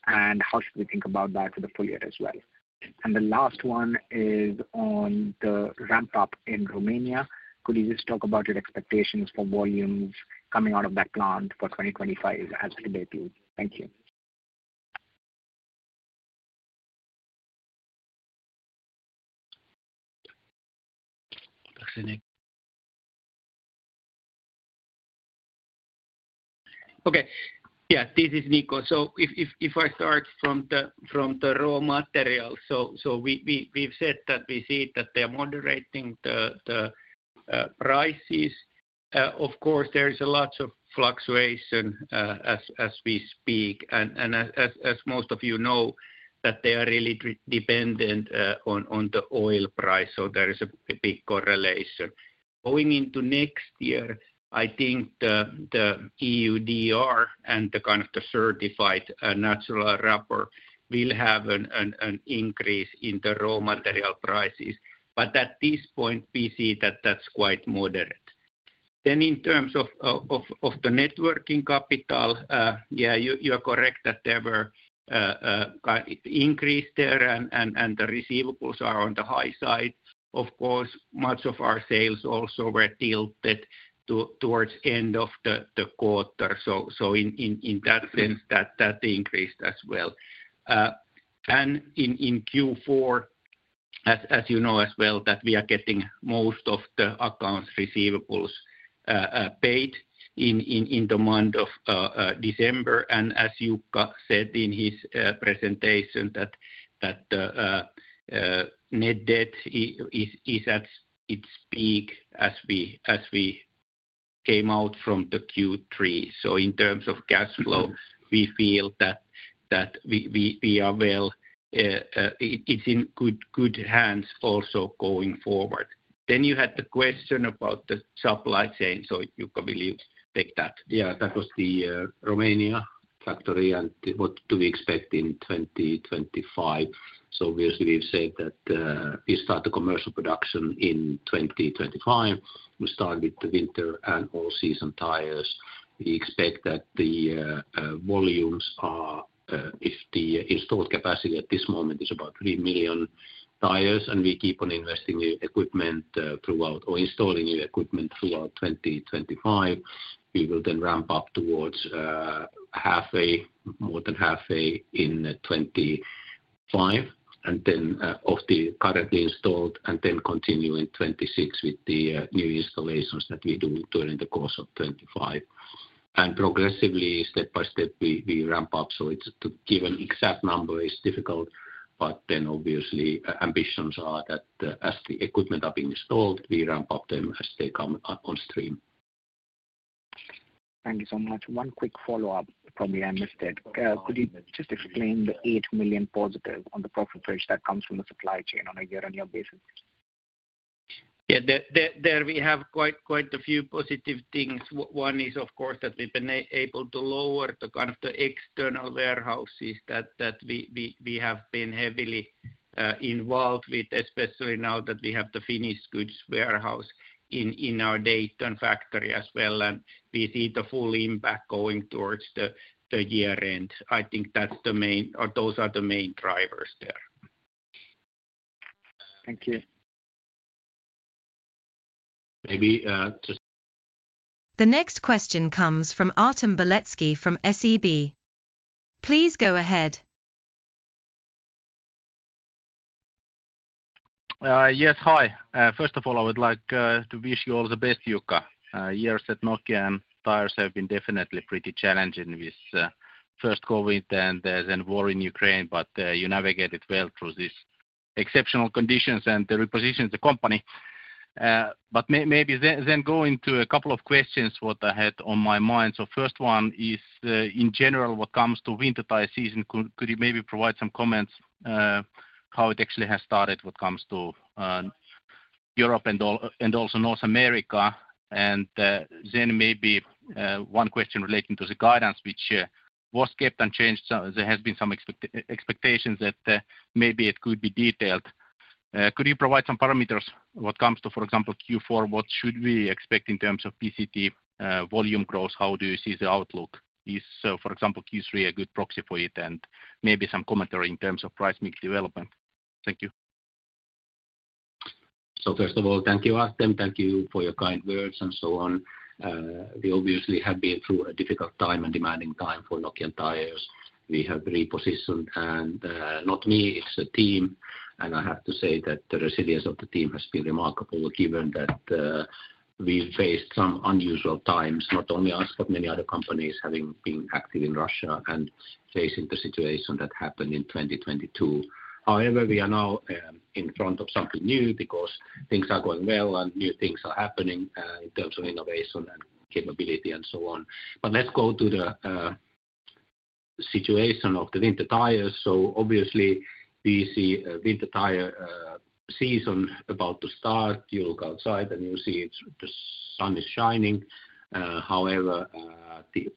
and how should we think about that for the full year as well? And the last one is on the ramp-up in Romania. Could you just talk about your expectations for volumes coming out of that plant for 2025 as of today, please? Thank you. Okay. Yeah, this is Niko. So if I start from the raw material, so we've said that we see that they are moderating the prices. Of course, there's a lot of fluctuation as we speak, and as most of you know, that they are really dependent on the oil price, so there is a big correlation. Going into next year, I think the EUDR and the kind of the certified natural rubber will have an increase in the raw material prices, but at this point, we see that that's quite moderate. Then in terms of the net working capital, yeah, you are correct that there were increases there, and the receivables are on the high side. Of course, much of our sales also were tilted towards the end of the quarter, so in that sense, that increased as well. And in Q4, as you know as well, that we are getting most of the accounts receivables paid in the month of December. And as Jukka said in his presentation, that net debt is at its peak as we came out from the Q3. So in terms of cash flow, we feel that we are well. It's in good hands also going forward. Then you had the question about the supply chain, so Jukka, will you take that? Yeah, that was the Romania factory, and what do we expect in 2025? So obviously, we've said that we start the commercial production in 2025. We start with the winter and all-season tires. We expect that the volumes are, if the installed capacity at this moment is about 3 million tires, and we keep on investing new equipment throughout, or installing new equipment throughout 2025, we will then ramp up towards halfway, more than halfway in 2025, and then of the currently installed, and then continue in 2026 with the new installations that we do during the course of 2025. And progressively, step by step, we ramp up. So to give an exact number is difficult, but then obviously, ambitions are that as the equipment are being installed, we ramp up them as they come on stream. Thank you so much. One quick follow-up from me, I missed it. Could you just explain the 8 million positive on the profit bridge that comes from the supply chain on a year-on-year basis? Yeah, there we have quite a few positive things. One is, of course, that we've been able to lower the kind of the external warehouses that we have been heavily involved with, especially now that we have the finished goods warehouse in our Dayton factory as well, and we see the full impact going towards the year-end. I think that's the main, those are the main drivers there. Thank you. Maybe just. The next question comes from Artem Beletski from SEB. Please go ahead. Yes, hi. First of all, I would like to wish you all the best, Jukka. Years at Nokian Tyres have been definitely pretty challenging with first COVID and then war in Ukraine, but you navigated well through these exceptional conditions and the repositioning of the company. But maybe then go into a couple of questions, what I had on my mind. So first one is, in general, what comes to winter tire season, could you maybe provide some comments how it actually has started what comes to Europe and also North America? And then maybe one question relating to the guidance, which was kept unchanged. There has been some expectations that maybe it could be detailed. Could you provide some parameters what comes to, for example, Q4? What should we expect in terms of PCT volume growth? How do you see the outlook? Is, for example, Q3 a good proxy for it? And maybe some commentary in terms of price development. Thank you. So first of all, thank you, Artem. Thank you for your kind words and so on. We obviously have been through a difficult time and demanding time for Nokian Tyres. We have repositioned, and not me, it's a team, and I have to say that the resilience of the team has been remarkable given that we faced some unusual times, not only us, but many other companies having been active in Russia and facing the situation that happened in 2022. However, we are now in front of something new because things are going well and new things are happening in terms of innovation and capability and so on. But let's go to the situation of the winter tires. So obviously, we see a winter tire season about to start. You look outside and you see the sun is shining. However, the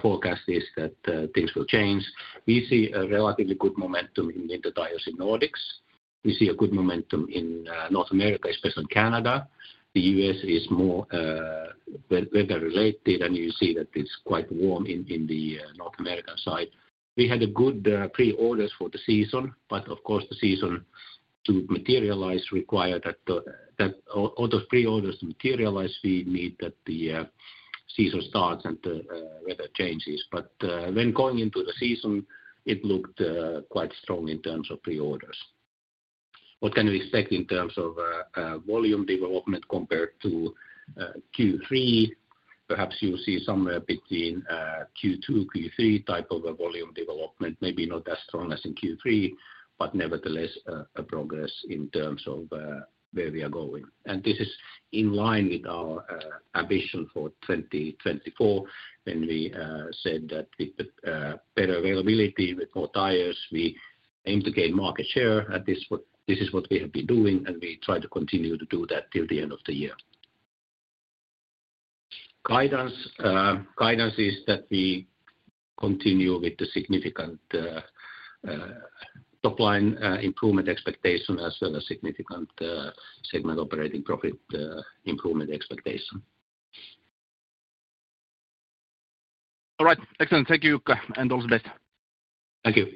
forecast is that things will change. We see a relatively good momentum in winter tires in Nordics. We see a good momentum in North America, especially in Canada. The U.S. is more weather-related, and you see that it's quite warm in the North American side. We had good pre-orders for the season, but of course, the season to materialize requires that all those pre-orders to materialize. We need that the season starts and the weather changes. But when going into the season, it looked quite strong in terms of pre-orders. What can we expect in terms of volume development compared to Q3? Perhaps you see somewhere between Q2, Q3 type of a volume development, maybe not as strong as in Q3, but nevertheless, a progress in terms of where we are going. And this is in line with our ambition for 2024 when we said that with better availability, with more tires, we aim to gain market share, and this is what we have been doing, and we try to continue to do that till the end of the year. Guidance is that we continue with the significant top-line improvement expectation as well as significant segment operating profit improvement expectation. All right. Excellent. Thank you, Jukka. And all the best. Thank you.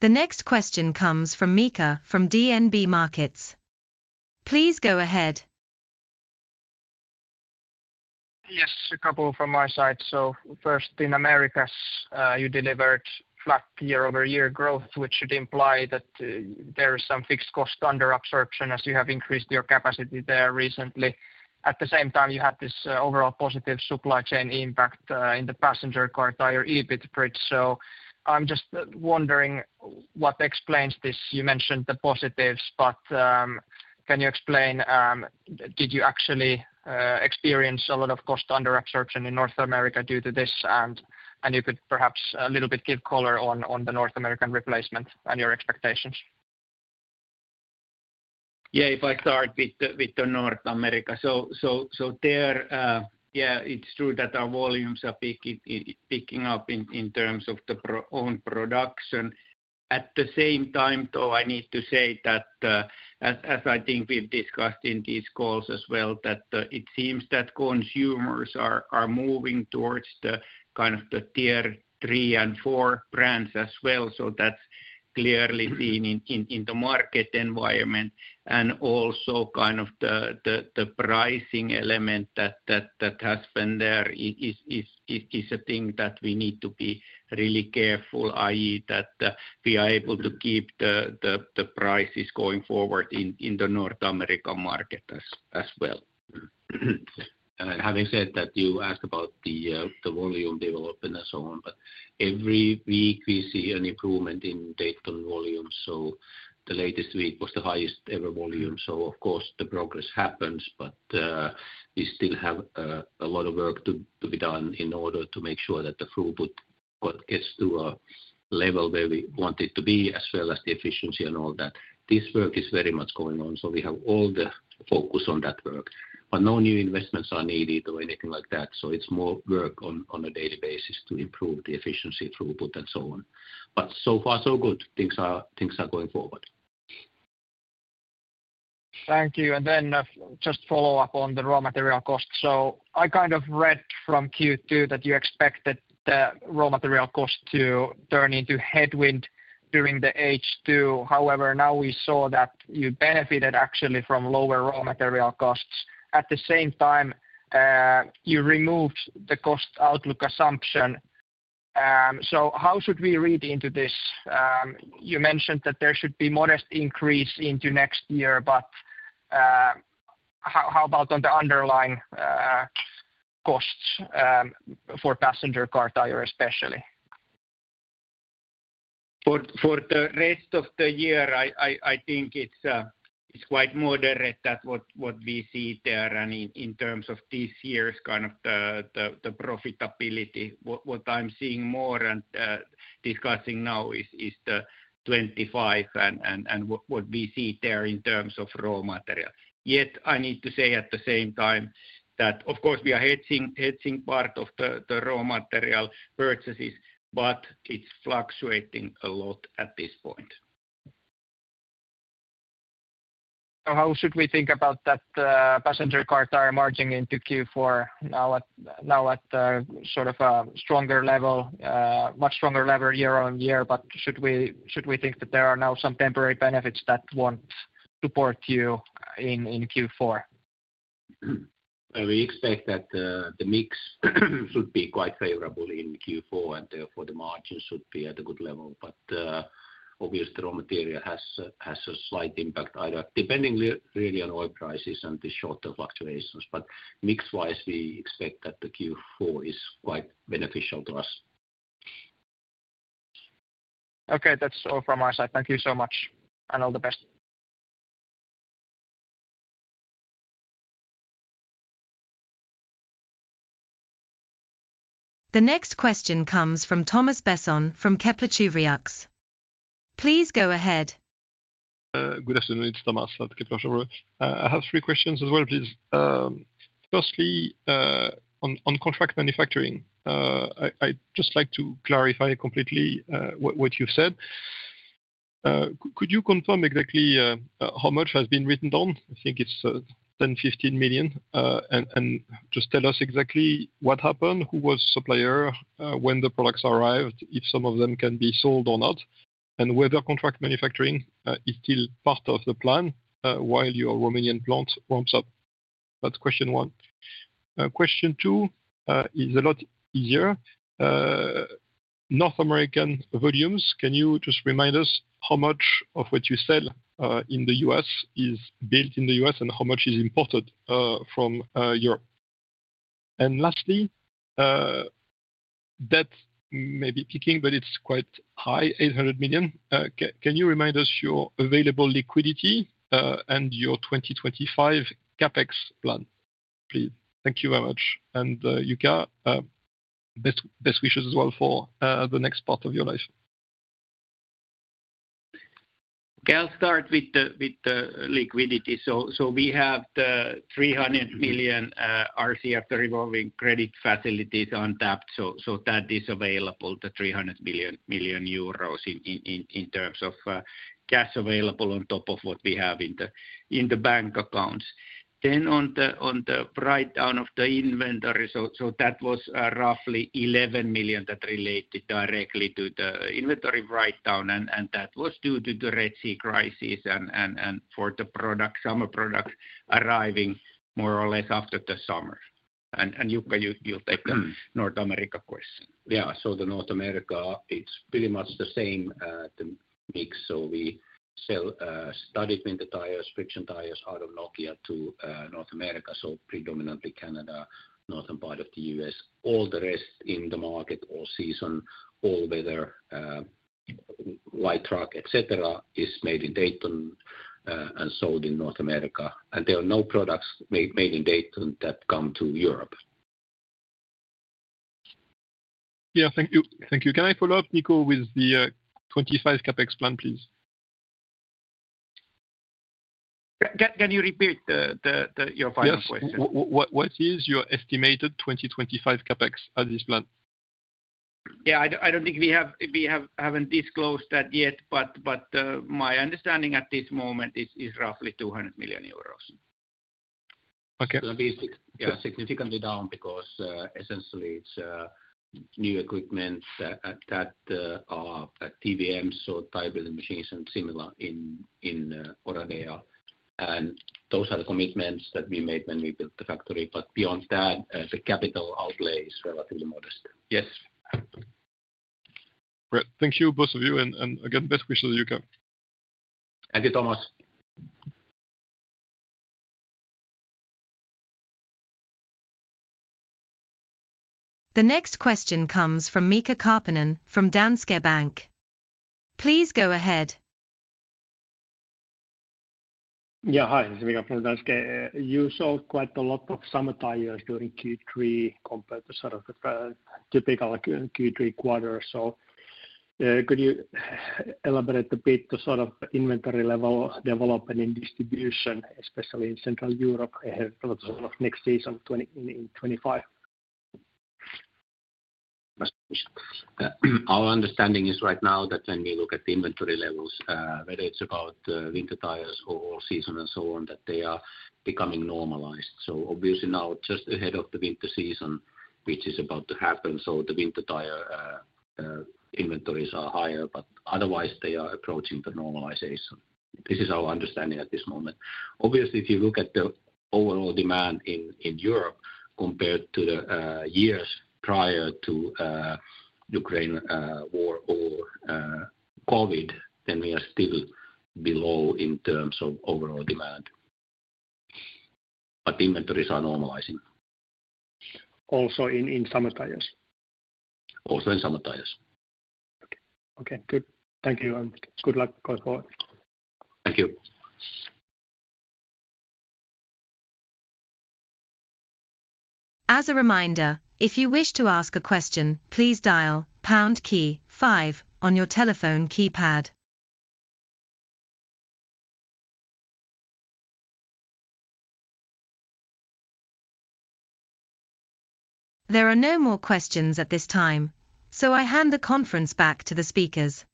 The next question comes from Miika from DNB Markets. Please go ahead. Yes, a couple from my side. So first, in America, you delivered flat year-over-year growth, which should imply that there is some fixed cost under absorption as you have increased your capacity there recently. At the same time, you had this overall positive supply chain impact in the passenger car tire EBIT bridge. So I'm just wondering what explains this. You mentioned the positives, but can you explain, did you actually experience a lot of cost under absorption in North America due to this, and you could perhaps a little bit give color on the North American replacement and your expectations. Yeah, if I start with North America. So there, yeah, it's true that our volumes are picking up in terms of the own production. At the same time, though, I need to say that, as I think we've discussed in these calls as well, that it seems that consumers are moving towards the kind of the tier three and four brands as well. So that's clearly seen in the market environment. And also kind of the pricing element that has been there is a thing that we need to be really careful, i.e., that we are able to keep the prices going forward in the North America market as well. Having said that, you asked about the volume development and so on, but every week we see an improvement in Dayton volume. So the latest week was the highest ever volume. So of course, the progress happens, but we still have a lot of work to be done in order to make sure that the throughput gets to a level where we want it to be, as well as the efficiency and all that. This work is very much going on, so we have all the focus on that work. But no new investments are needed or anything like that. So it's more work on a daily basis to improve the efficiency, throughput, and so on. But so far, so good. Things are going forward. Thank you. And then just follow up on the raw material cost. So, I kind of read from Q2 that you expected the raw material cost to turn into headwind during the H2. However, now we saw that you benefited actually from lower raw material costs. At the same time, you removed the cost outlook assumption. So how should we read into this? You mentioned that there should be modest increase into next year, but how about on the underlying costs for passenger car tire especially? For the rest of the year, I think it's quite moderate that what we see there, and in terms of this year's kind of the profitability, what I'm seeing more and discussing now is 2025 and what we see there in terms of raw material. Yet I need to say at the same time that, of course, we are hedging part of the raw material purchases, but it's fluctuating a lot at this point. So how should we think about that Passenger Car Tires margin going into Q4 now at sort of a stronger level, much stronger level year-on-year? But should we think that there are now some temporary benefits that won't support you in Q4? We expect that the mix should be quite favorable in Q4, and therefore the margin should be at a good level. But obviously, the raw material has a slight impact, it depending really on oil prices and the shorter fluctuations. But mix-wise, we expect that the Q4 is quite beneficial to us. Okay, that's all from my side. Thank you so much, and all the best. The next question comes from Thomas Besson from Kepler Cheuvreux. Please go ahead. Good afternoon, it's Thomas at Kepler Cheuvreux. I have three questions as well, please. Firstly, on contract manufacturing, I'd just like to clarify completely what you've said. Could you confirm exactly how much has been written down? I think it's 10-15 million. And just tell us exactly what happened, who was the supplier when the products arrived, if some of them can be sold or not, and whether contract manufacturing is still part of the plan while your Romanian plant warms up. That's question one. Question two is a lot easier. North American volumes, can you just remind us how much of what you sell in the U.S. is built in the U.S. and how much is imported from Europe? And lastly, debt may be peaking, but it's quite high, 800 million. Can you remind us your available liquidity and your 2025 CapEx plan, please? Thank you very much. Jukka, best wishes as well for the next part of your life. Okay, I'll start with the liquidity. We have the 300 million RCF, the revolving credit facilities untapped. That is available, the 300 million euros in terms of cash available on top of what we have in the bank accounts. On the breakdown of the inventory, that was roughly 11 million that related directly to the inventory breakdown, and that was due to the Red Sea crisis and for the product, summer products arriving more or less after the summer. Jukka, you'll take the North America question. Yeah, so North America, it's pretty much the same mix. So we sell studded winter tires, friction tires out of Nokia to North America, so predominantly Canada, northern part of the U.S. All the rest in the market, all season, all weather, light truck, etc., is made in Dayton and sold in North America. And there are no products made in Dayton that come to Europe. Yeah, thank you. Can I follow up, Niko, with the 2025 CapEx plan, please? Can you repeat your final question? Yes. What is your estimated 2025 CapEx at this plan? Yeah, I don't think we haven't disclosed that yet, but my understanding at this moment is roughly 200 million euros. Okay. So that means significantly down because essentially it's new equipment that are TBMs, so tire-building machines and similar in Oradea. And those are the commitments that we made when we built the factory. But beyond that, the capital outlay is relatively modest. Yes. Great. Thank you, both of you. And again, best wishes, Jukka. Thank you, Thomas. The next question comes from Mika Karppinen from Danske Bank. Please go ahead. Yeah, hi, this is Mika from Danske. You sold quite a lot of summer tires during Q3 compared to sort of the typical Q3 quarter. So could you elaborate a bit to sort of inventory level development and distribution, especially in Central Europe, ahead of next season in 2025? Our understanding is right now that when we look at the inventory levels, whether it's about winter tires or all season and so on, that they are becoming normalized. So obviously now, just ahead of the winter season, which is about to happen, so the winter tire inventories are higher, but otherwise they are approaching the normalization. This is our understanding at this moment. Obviously, if you look at the overall demand in Europe compared to the years prior to Ukraine war or COVID, then we are still below in terms of overall demand. But inventories are normalizing. Also in summer tires? Also in summer tires. Okay, good. Thank you. And good luck going forward. Thank you. As a reminder, if you wish to ask a question, please dial #5 on your telephone keypad. There are no more questions at this time, so I hand the conference back to the speakers.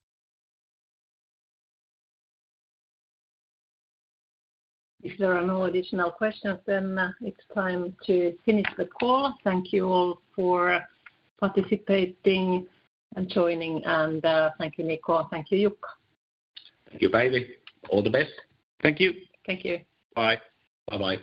If there are no additional questions, then it's time to finish the call. Thank you all for participating and joining. And thank you, Niko. Thank you, Jukka. Thank you, Päivi. All the best. Thank you. Thank you. Bye. Bye-bye.